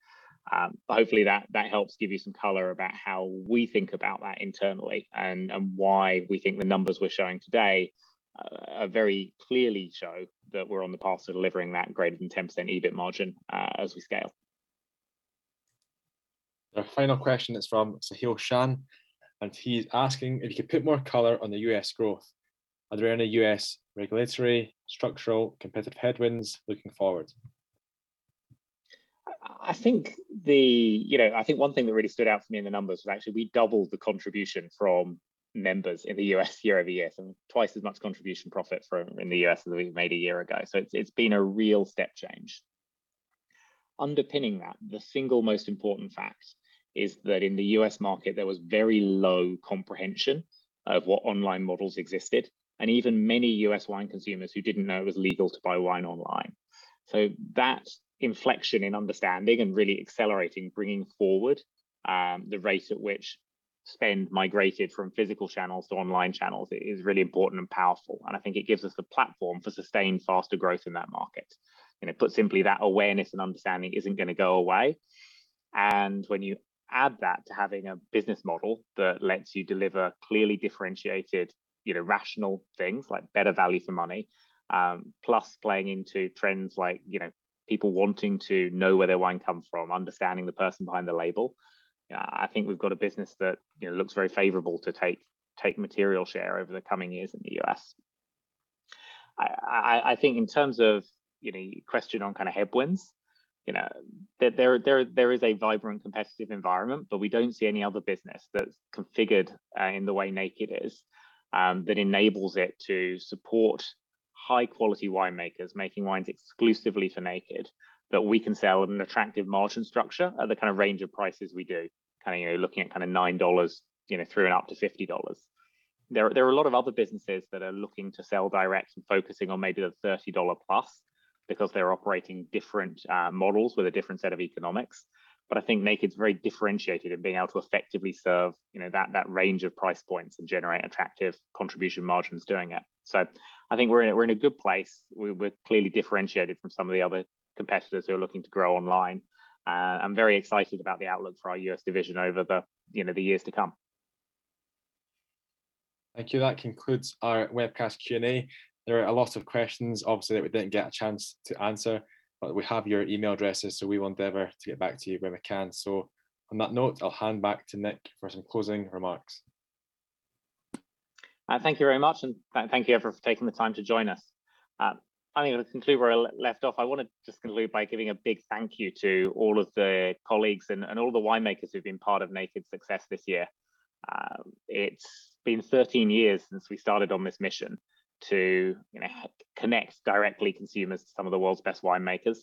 Hopefully that helps give you some color about how we think about that internally and why we think the numbers we're showing today very clearly show that we're on the path to delivering that greater than 10% EBIT margin as we scale. Our final question is from Sahil Shan. He's asking if you could put more color on the U.S. growth. Are there any U.S. regulatory, structural, competitive headwinds looking forward? I think one thing that really stood out for me in the numbers was actually we doubled the contribution from members in the U.S. year-over-year. Twice as much contribution profit from in the U.S. than we made a year ago. It's been a real step change. Underpinning that, the single most important fact is that in the U.S. market, there was very low comprehension of what online models existed, and even many U.S. wine consumers who didn't know it was legal to buy wine online. That inflection in understanding and really accelerating, bringing forward the rate at which spend migrated from physical channels to online channels is really important and powerful, and I think it gives us the platform for sustained faster growth in that market. Put simply, that awareness and understanding isn't going to go away. When you add that to having a business model that lets you deliver clearly differentiated, rational things, like better value for money, plus playing into trends like people wanting to know where their wine comes from, understanding the person behind the label, I think we've got a business that looks very favorable to take material share over the coming years in the U.S. I think in terms of your question on headwinds, there is a vibrant competitive environment, but we don't see any other business that's configured in the way Naked is that enables it to support high-quality winemakers making wines exclusively for Naked that we can sell at an attractive margin structure at the kind of range of prices we do, looking at $9-$50. There are a lot of other businesses that are looking to sell direct and focusing on maybe the $30 plus because they're operating different models with a different set of economics. I think Naked's very differentiated in being able to effectively serve that range of price points and generate attractive contribution margins doing it. I think we're in a good place. We're clearly differentiated from some of the other competitors who are looking to grow online. I'm very excited about the outlook for our U.S. division over the years to come. Thank you. That concludes our webcast Q&A. There are a lot of questions, obviously, that we didn't get a chance to answer, but we have your email addresses, so we will endeavor to get back to you when we can. On that note, I'll hand back to Nick for some closing remarks. Thank you very much. Thank you, everyone, for taking the time to join us. I think to conclude where I left off, I want to just conclude by giving a big thank you to all of the colleagues and all the winemakers who've been part of Naked's success this year. It's been 13 years since we started on this mission to connect directly consumers to some of the world's best winemakers,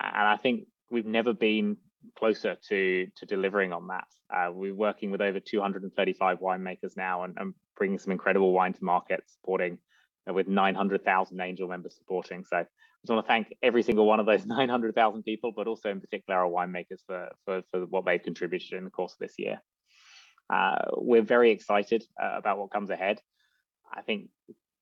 and I think we've never been closer to delivering on that. We're working with over 235 winemakers now and bringing some incredible wine to market, with 900,000 Angel members supporting. I just want to thank every single one of those 900,000 people, but also in particular our winemakers for what they've contributed in the course of this year. We're very excited about what comes ahead. I think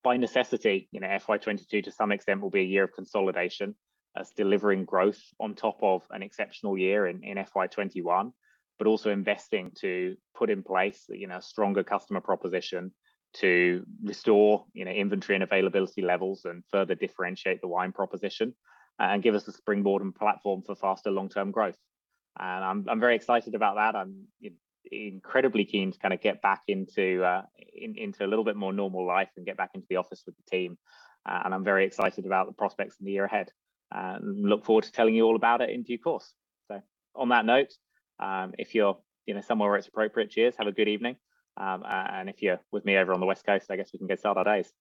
by necessity, FY 2022 to some extent will be a year of consolidation. Us delivering growth on top of an exceptional year in FY 2021, but also investing to put in place a stronger customer proposition to restore inventory and availability levels and further differentiate the wine proposition and give us a springboard and platform for faster long-term growth. I'm very excited about that. I'm incredibly keen to get back into a little bit more normal life and get back into the office with the team. I'm very excited about the prospects in the year ahead and look forward to telling you all about it in due course. On that note, if you're somewhere where it's appropriate, cheers. Have a good evening. If you're with me over on the West Coast, I guess we can go start our days.